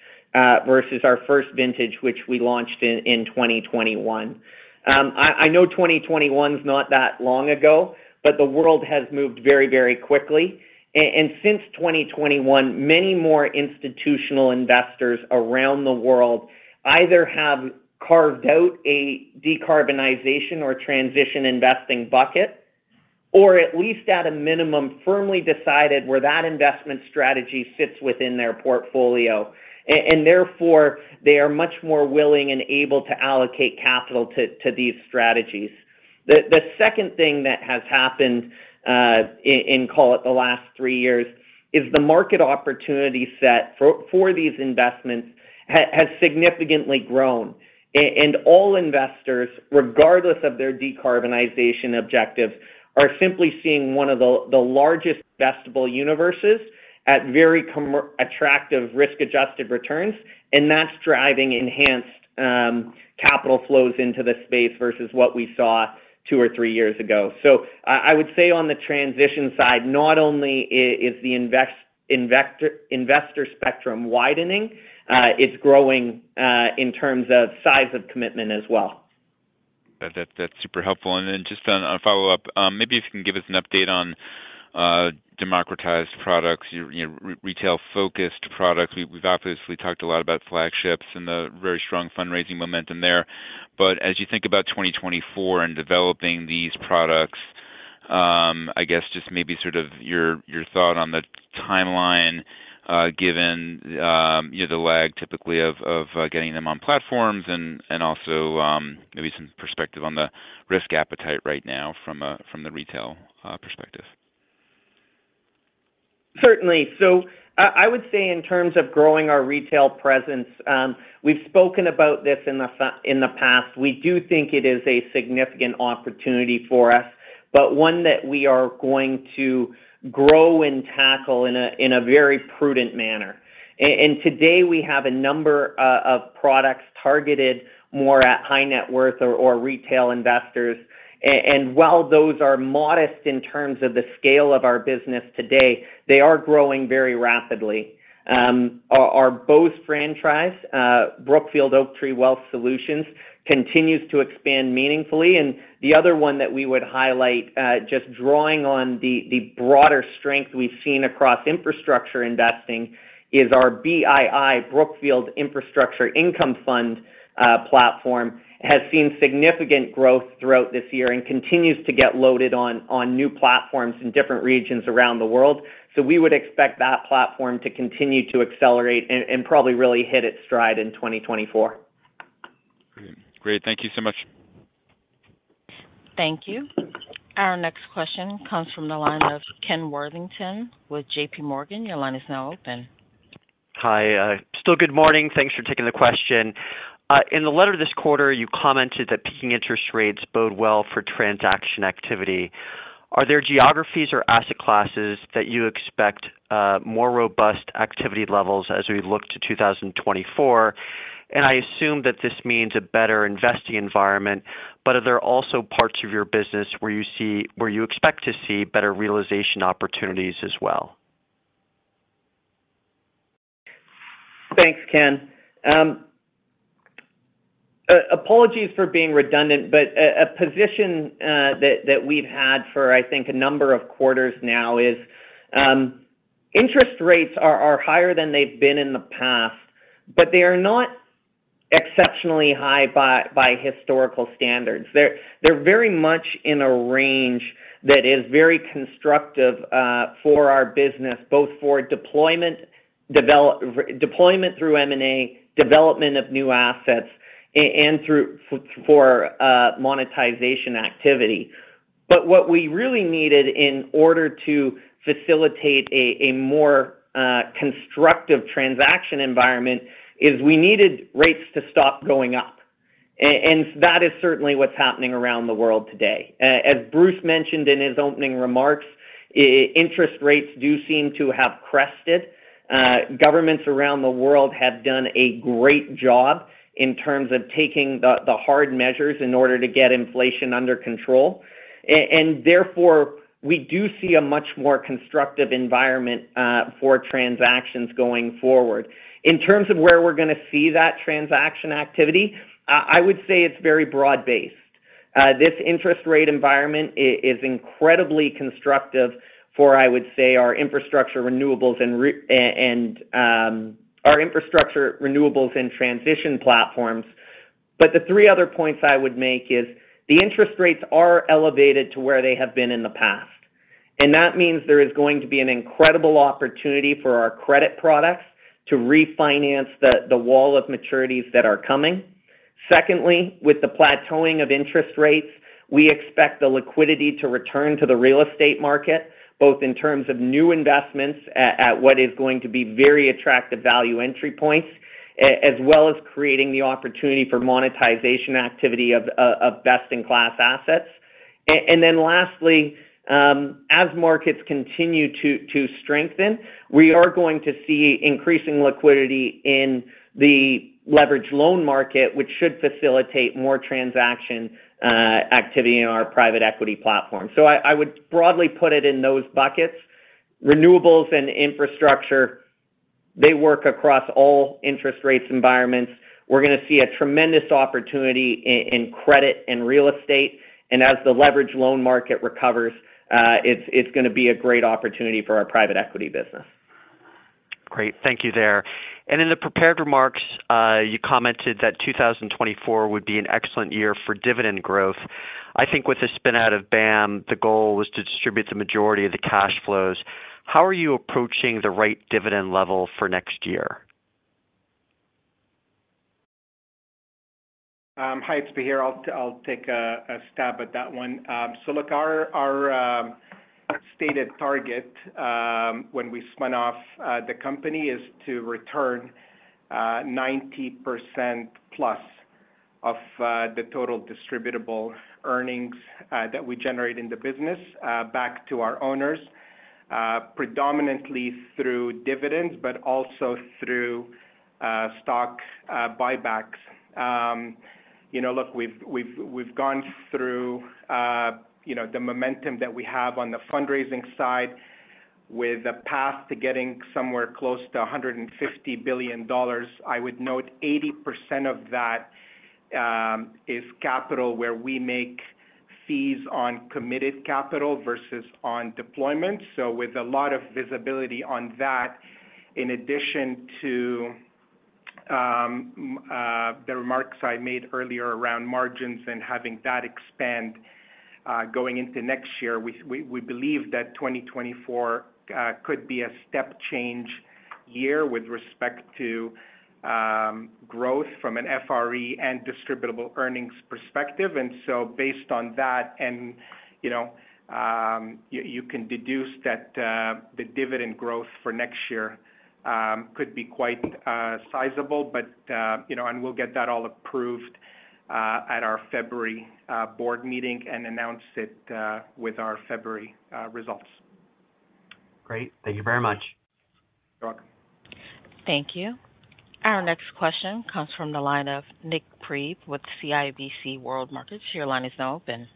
S4: versus our first vintage, which we launched in 2021. I know 2021 is not that long ago, but the world has moved very, very quickly. And since 2021, many more institutional investors around the world either have carved out a decarbonization or transition investing bucket, or at least at a minimum, firmly decided where that investment strategy sits within their portfolio. And therefore, they are much more willing and able to allocate capital to these strategies. The second thing that has happened in, call it the last 3 years, is the market opportunity set for these investments has significantly grown. And all investors, regardless of their decarbonization objectives, are simply seeing one of the largest investable universes at very attractive risk-adjusted returns, and that's driving enhanced capital flows into the space versus what we saw 2 or 3 years ago. So I would say on the transition side, not only is the investor spectrum widening, it's growing in terms of size of commitment as well.
S11: That, that's super helpful. And then just on a follow-up, maybe if you can give us an update on democratized products, your retail-focused products. We've obviously talked a lot about flagships and the very strong fundraising momentum there. But as you think about 2024 and developing these products, I guess just maybe sort of your thought on the timeline, given you know the lag typically of getting them on platforms and also maybe some perspective on the risk appetite right now from the retail perspective.
S4: Certainly. So I would say in terms of growing our retail presence, we've spoken about this in the past. We do think it is a significant opportunity for us, but one that we are going to grow and tackle in a very prudent manner. And today, we have a number of products targeted more at high net worth or retail investors, and while those are modest in terms of the scale of our business today, they are growing very rapidly. Our BOWS franchise, Brookfield Oaktree Wealth Solutions, continues to expand meaningfully. The other one that we would highlight, just drawing on the broader strength we've seen across infrastructure investing, is our BII, Brookfield Infrastructure Income Fund platform, has seen significant growth throughout this year and continues to get loaded on new platforms in different regions around the world. So we would expect that platform to continue to accelerate and probably really hit its stride in 2024.
S11: Great. Thank you so much.
S1: Thank you. Our next question comes from the line of Ken Worthington with J.P. Morgan. Your line is now open.
S12: Hi, still good morning. Thanks for taking the question. In the letter this quarter, you commented that peaking interest rates bode well for transaction activity. Are there geographies or asset classes that you expect more robust activity levels as we look to 2024? And I assume that this means a better investing environment, but are there also parts of your business where you expect to see better realization opportunities as well?
S4: Thanks, Ken. Apologies for being redundant, but a position that we've had for, I think, a number of quarters now is interest rates are higher than they've been in the past, but they are not exceptionally high by historical standards. They're very much in a range that is very constructive for our business, both for deployment through M&A, development of new assets, and through for monetization activity. But what we really needed in order to facilitate a more constructive transaction environment is we needed rates to stop going up. And that is certainly what's happening around the world today. As Bruce mentioned in his opening remarks, interest rates do seem to have crested. Governments around the world have done a great job in terms of taking the hard measures in order to get inflation under control. And therefore, we do see a much more constructive environment for transactions going forward. In terms of where we're gonna see that transaction activity, I would say it's very broad-based. This interest rate environment is incredibly constructive for, I would say, our infrastructure, renewables, and transition platforms. But the three other points I would make is the interest rates are elevated to where they have been in the past, and that means there is going to be an incredible opportunity for our credit products to refinance the wall of maturities that are coming. Secondly, with the plateauing of interest rates, we expect the liquidity to return to the real estate market, both in terms of new investments at what is going to be very attractive value entry points, as well as creating the opportunity for monetization activity of best-in-class assets. And then lastly, as markets continue to strengthen, we are going to see increasing liquidity in the leveraged loan market, which should facilitate more transaction activity in our private equity platform. So I would broadly put it in those buckets. Renewables and infrastructure, they work across all interest rates environments. We're gonna see a tremendous opportunity in credit and real estate. And as the leveraged loan market recovers, it's gonna be a great opportunity for our private equity business.
S12: Great. Thank you there. In the prepared remarks, you commented that 2024 would be an excellent year for dividend growth. I think with the spin out of BAM, the goal was to distribute the majority of the cash flows. How are you approaching the right dividend level for next year?
S5: Hi, it's Bahir. I'll take a stab at that one. So look, our stated target, when we spun off the company, is to return 90% plus of the total distributable earnings that we generate in the business back to our owners, predominantly through dividends, but also through stock buybacks. You know, look, we've gone through, you know, the momentum that we have on the fundraising side with a path to getting somewhere close to $150 billion. I would note 80% of that is capital, where we make fees on committed capital versus on deployment. So with a lot of visibility on that, in addition to, the remarks I made earlier around margins and having that expand, going into next year, we believe that 2024 could be a step change year with respect to, growth from an FRE and distributable earnings perspective. And so based on that, and, you know, you can deduce that, the dividend growth for next year could be quite sizable. But, you know, and we'll get that all approved, at our February board meeting and announce it, with our February results.
S12: Great. Thank you very much.
S5: You're welcome.
S1: Thank you. Our next question comes from the line of Nik Priebe from CIBC Capital Markets Your line is now open.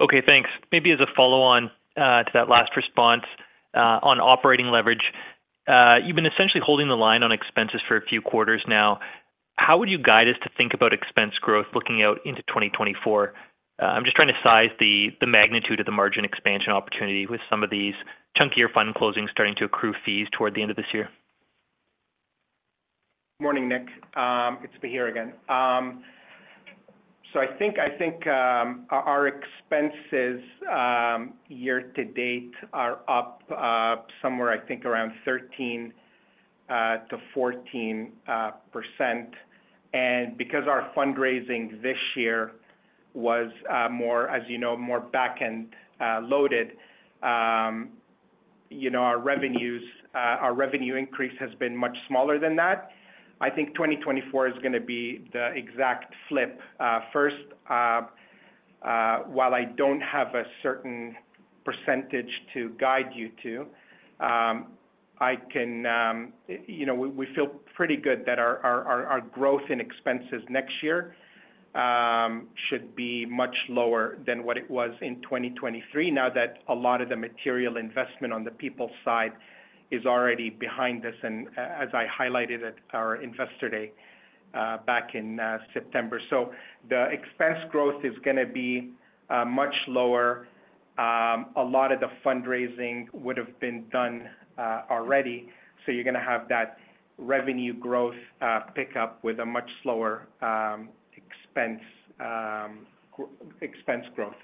S13: Okay, thanks. Maybe as a follow-on to that last response on operating leverage, you've been essentially holding the line on expenses for a few quarters now. How would you guide us to think about expense growth looking out into 2024? I'm just trying to size the magnitude of the margin expansion opportunity with some of these chunkier fund closings starting to accrue fees toward the end of this year.
S5: Morning, Nick. It's Bahir again. So I think our expenses year to date are up somewhere, I think, around 13-14%. And because our fundraising this year was, as you know, more back-end loaded, you know, our revenues, our revenue increase has been much smaller than that. I think 2024 is gonna be the exact flip. First, while I don't have a certain percentage to guide you to, I can, you know, we feel pretty good that our growth in expenses next year should be much lower than what it was in 2023, now that a lot of the material investment on the people side is already behind us, and as I highlighted at our Investor Day back in September. So the expense growth is gonna be much lower. A lot of the fundraising would've been done already, so you're gonna have that revenue growth pick up with a much slower expense growth.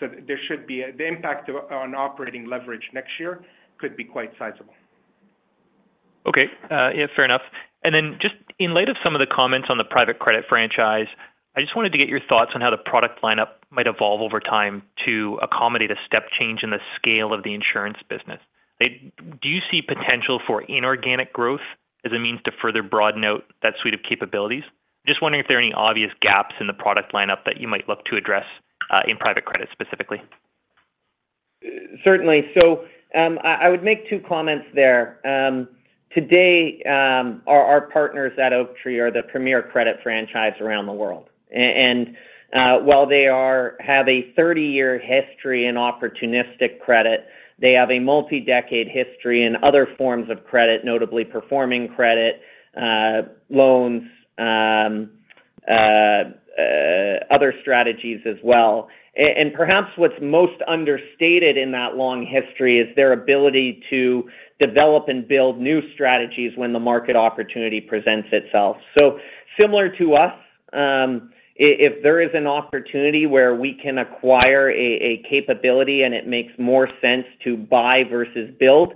S5: So there should be the impact on operating leverage next year could be quite sizable.
S13: Okay. Yeah, fair enough. And then just in light of some of the comments on the private credit franchise, I just wanted to get your thoughts on how the product lineup might evolve over time to accommodate a step change in the scale of the insurance business. Do you see potential for inorganic growth as a means to further broaden out that suite of capabilities? Just wondering if there are any obvious gaps in the product lineup that you might look to address in private credit specifically.
S4: Certainly. So, I would make two comments there. Today, our partners at Oaktree are the premier credit franchise around the world. And while they have a thirty-year history in opportunistic credit, they have a multi-decade history in other forms of credit, notably performing credit, loans, other strategies as well. And perhaps what's most understated in that long history is their ability to develop and build new strategies when the market opportunity presents itself. So similar to us, if there is an opportunity where we can acquire a capability and it makes more sense to buy versus build,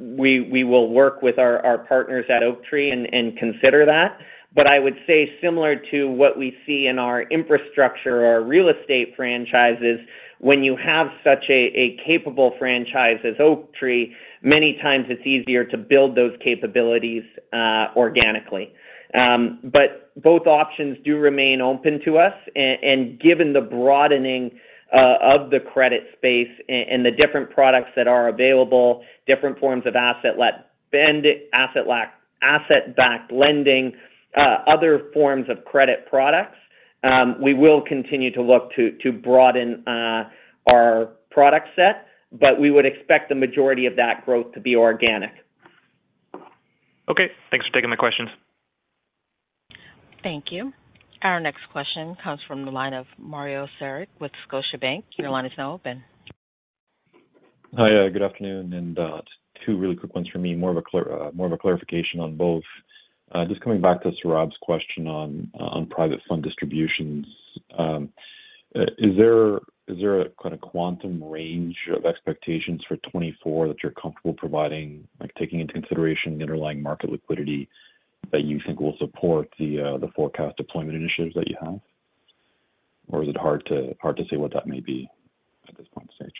S4: we will work with our partners at Oaktree and consider that. But I would say similar to what we see in our infrastructure, our real estate franchises, when you have such a capable franchise as Oaktree, many times it's easier to build those capabilities organically. But both options do remain open to us, and given the broadening of the credit space and the different products that are available, different forms of asset-led lending, asset-backed lending, other forms of credit products, we will continue to look to broaden our product set, but we would expect the majority of that growth to be organic.
S13: Okay, thanks for taking the questions.
S1: Thank you. Our next question comes from the line of Mario Saric with Scotiabank. Your line is now open.
S14: Hi, good afternoon, and two really quick ones for me, more of a clarification on both. Just coming back to Sohrab's question on private fund distributions, is there a kind of quantum range of expectations for 2024 that you're comfortable providing, like, taking into consideration the underlying market liquidity that you think will support the forecast deployment initiatives that you have? Or is it hard to say what that may be at this point stage?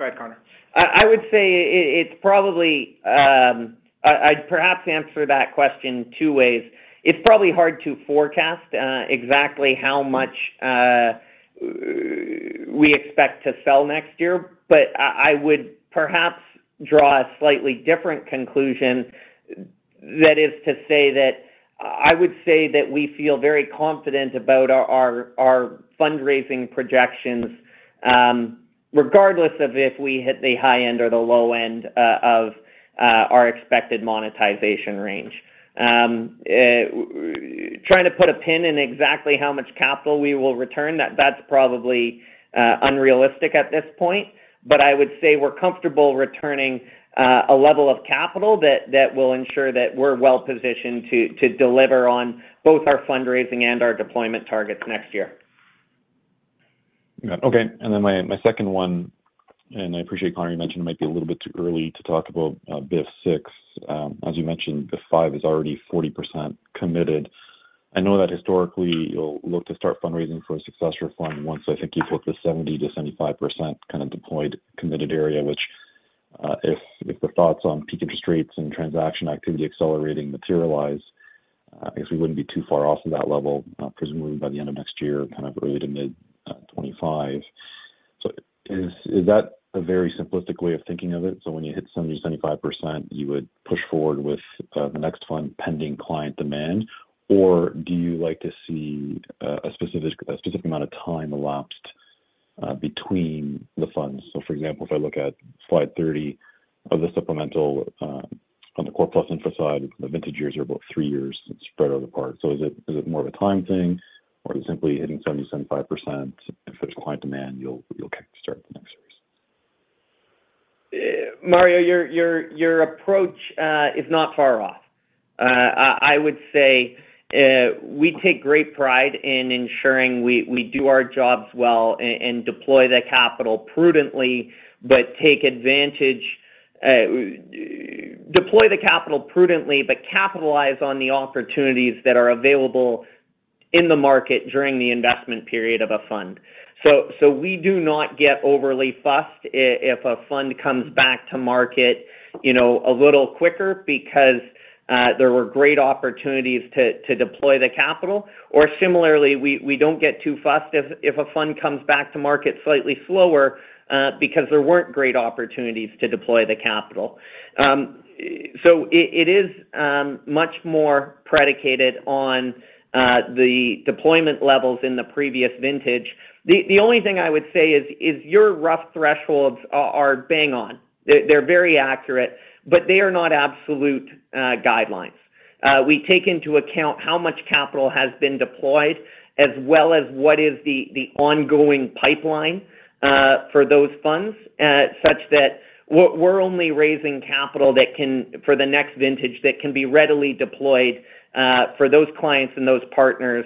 S5: Go ahead, Connor.
S4: I would say it's probably, I'd perhaps answer that question two ways. It's probably hard to forecast exactly how much we expect to sell next year, but I would perhaps draw a slightly different conclusion. That is to say that I would say that we feel very confident about our fundraising projections, regardless of if we hit the high end or the low end of our expected monetization range. Trying to put a pin in exactly how much capital we will return, that's probably unrealistic at this point. But I would say we're comfortable returning a level of capital that will ensure that we're well positioned to deliver on both our fundraising and our deployment targets next year.
S14: Yeah. Okay, and then my second one, and I appreciate, Connor, you mentioned it might be a little bit too early to talk about BIF VI. As you mentioned, BIF V is already 40% committed. I know that historically, you'll look to start fundraising for a successor fund once I think you've hit the 70%-75% kind of deployed, committed area, which, if the thoughts on peak interest rates and transaction activity accelerating materialize, I guess we wouldn't be too far off of that level, presumably by the end of next year, kind of early to mid-2025. So is that a very simplistic way of thinking of it? So when you hit 70, 75%, you would push forward with the next fund pending client demand, or do you like to see a specific, a specific amount of time elapsed between the funds? So for example, if I look at slide 30 of the supplemental, on the core plus infra side, the vintage years are about 3 years spread apart. So is it, is it more of a time thing, or is it simply hitting 70, 75%, if there's client demand, you'll, you'll kick start the next series?
S4: Mario, your approach is not far off. I would say we take great pride in ensuring we do our jobs well and deploy the capital prudently, but capitalize on the opportunities that are available in the market during the investment period of a fund. So we do not get overly fussed if a fund comes back to market, you know, a little quicker because there were great opportunities to deploy the capital. Or similarly, we don't get too fussed if a fund comes back to market slightly slower because there weren't great opportunities to deploy the capital. So it is much more predicated on the deployment levels in the previous vintage. The only thing I would say is your rough thresholds are bang on. They're very accurate, but they are not absolute guidelines. We take into account how much capital has been deployed, as well as what is the ongoing pipeline for those funds, such that we're only raising capital that can, for the next vintage, that can be readily deployed for those clients and those partners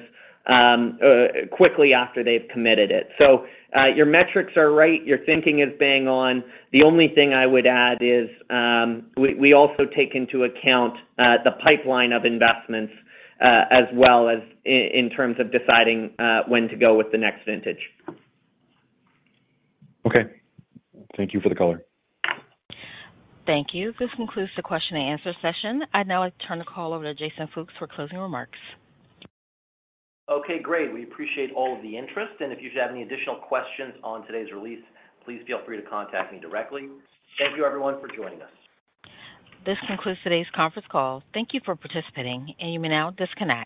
S4: quickly after they've committed it. So, your metrics are right, your thinking is bang on. The only thing I would add is, we also take into account the pipeline of investments, as well as in terms of deciding, when to go with the next vintage.
S14: Okay. Thank you for the color.
S1: Thank you. This concludes the question and answer session. I'd now like to turn the call over to Jason Fooks for closing remarks.
S2: Okay, great. We appreciate all of the interest, and if you have any additional questions on today's release, please feel free to contact me directly. Thank you, everyone, for joining us.
S1: This concludes today's conference call. Thank you for participating, and you may now disconnect.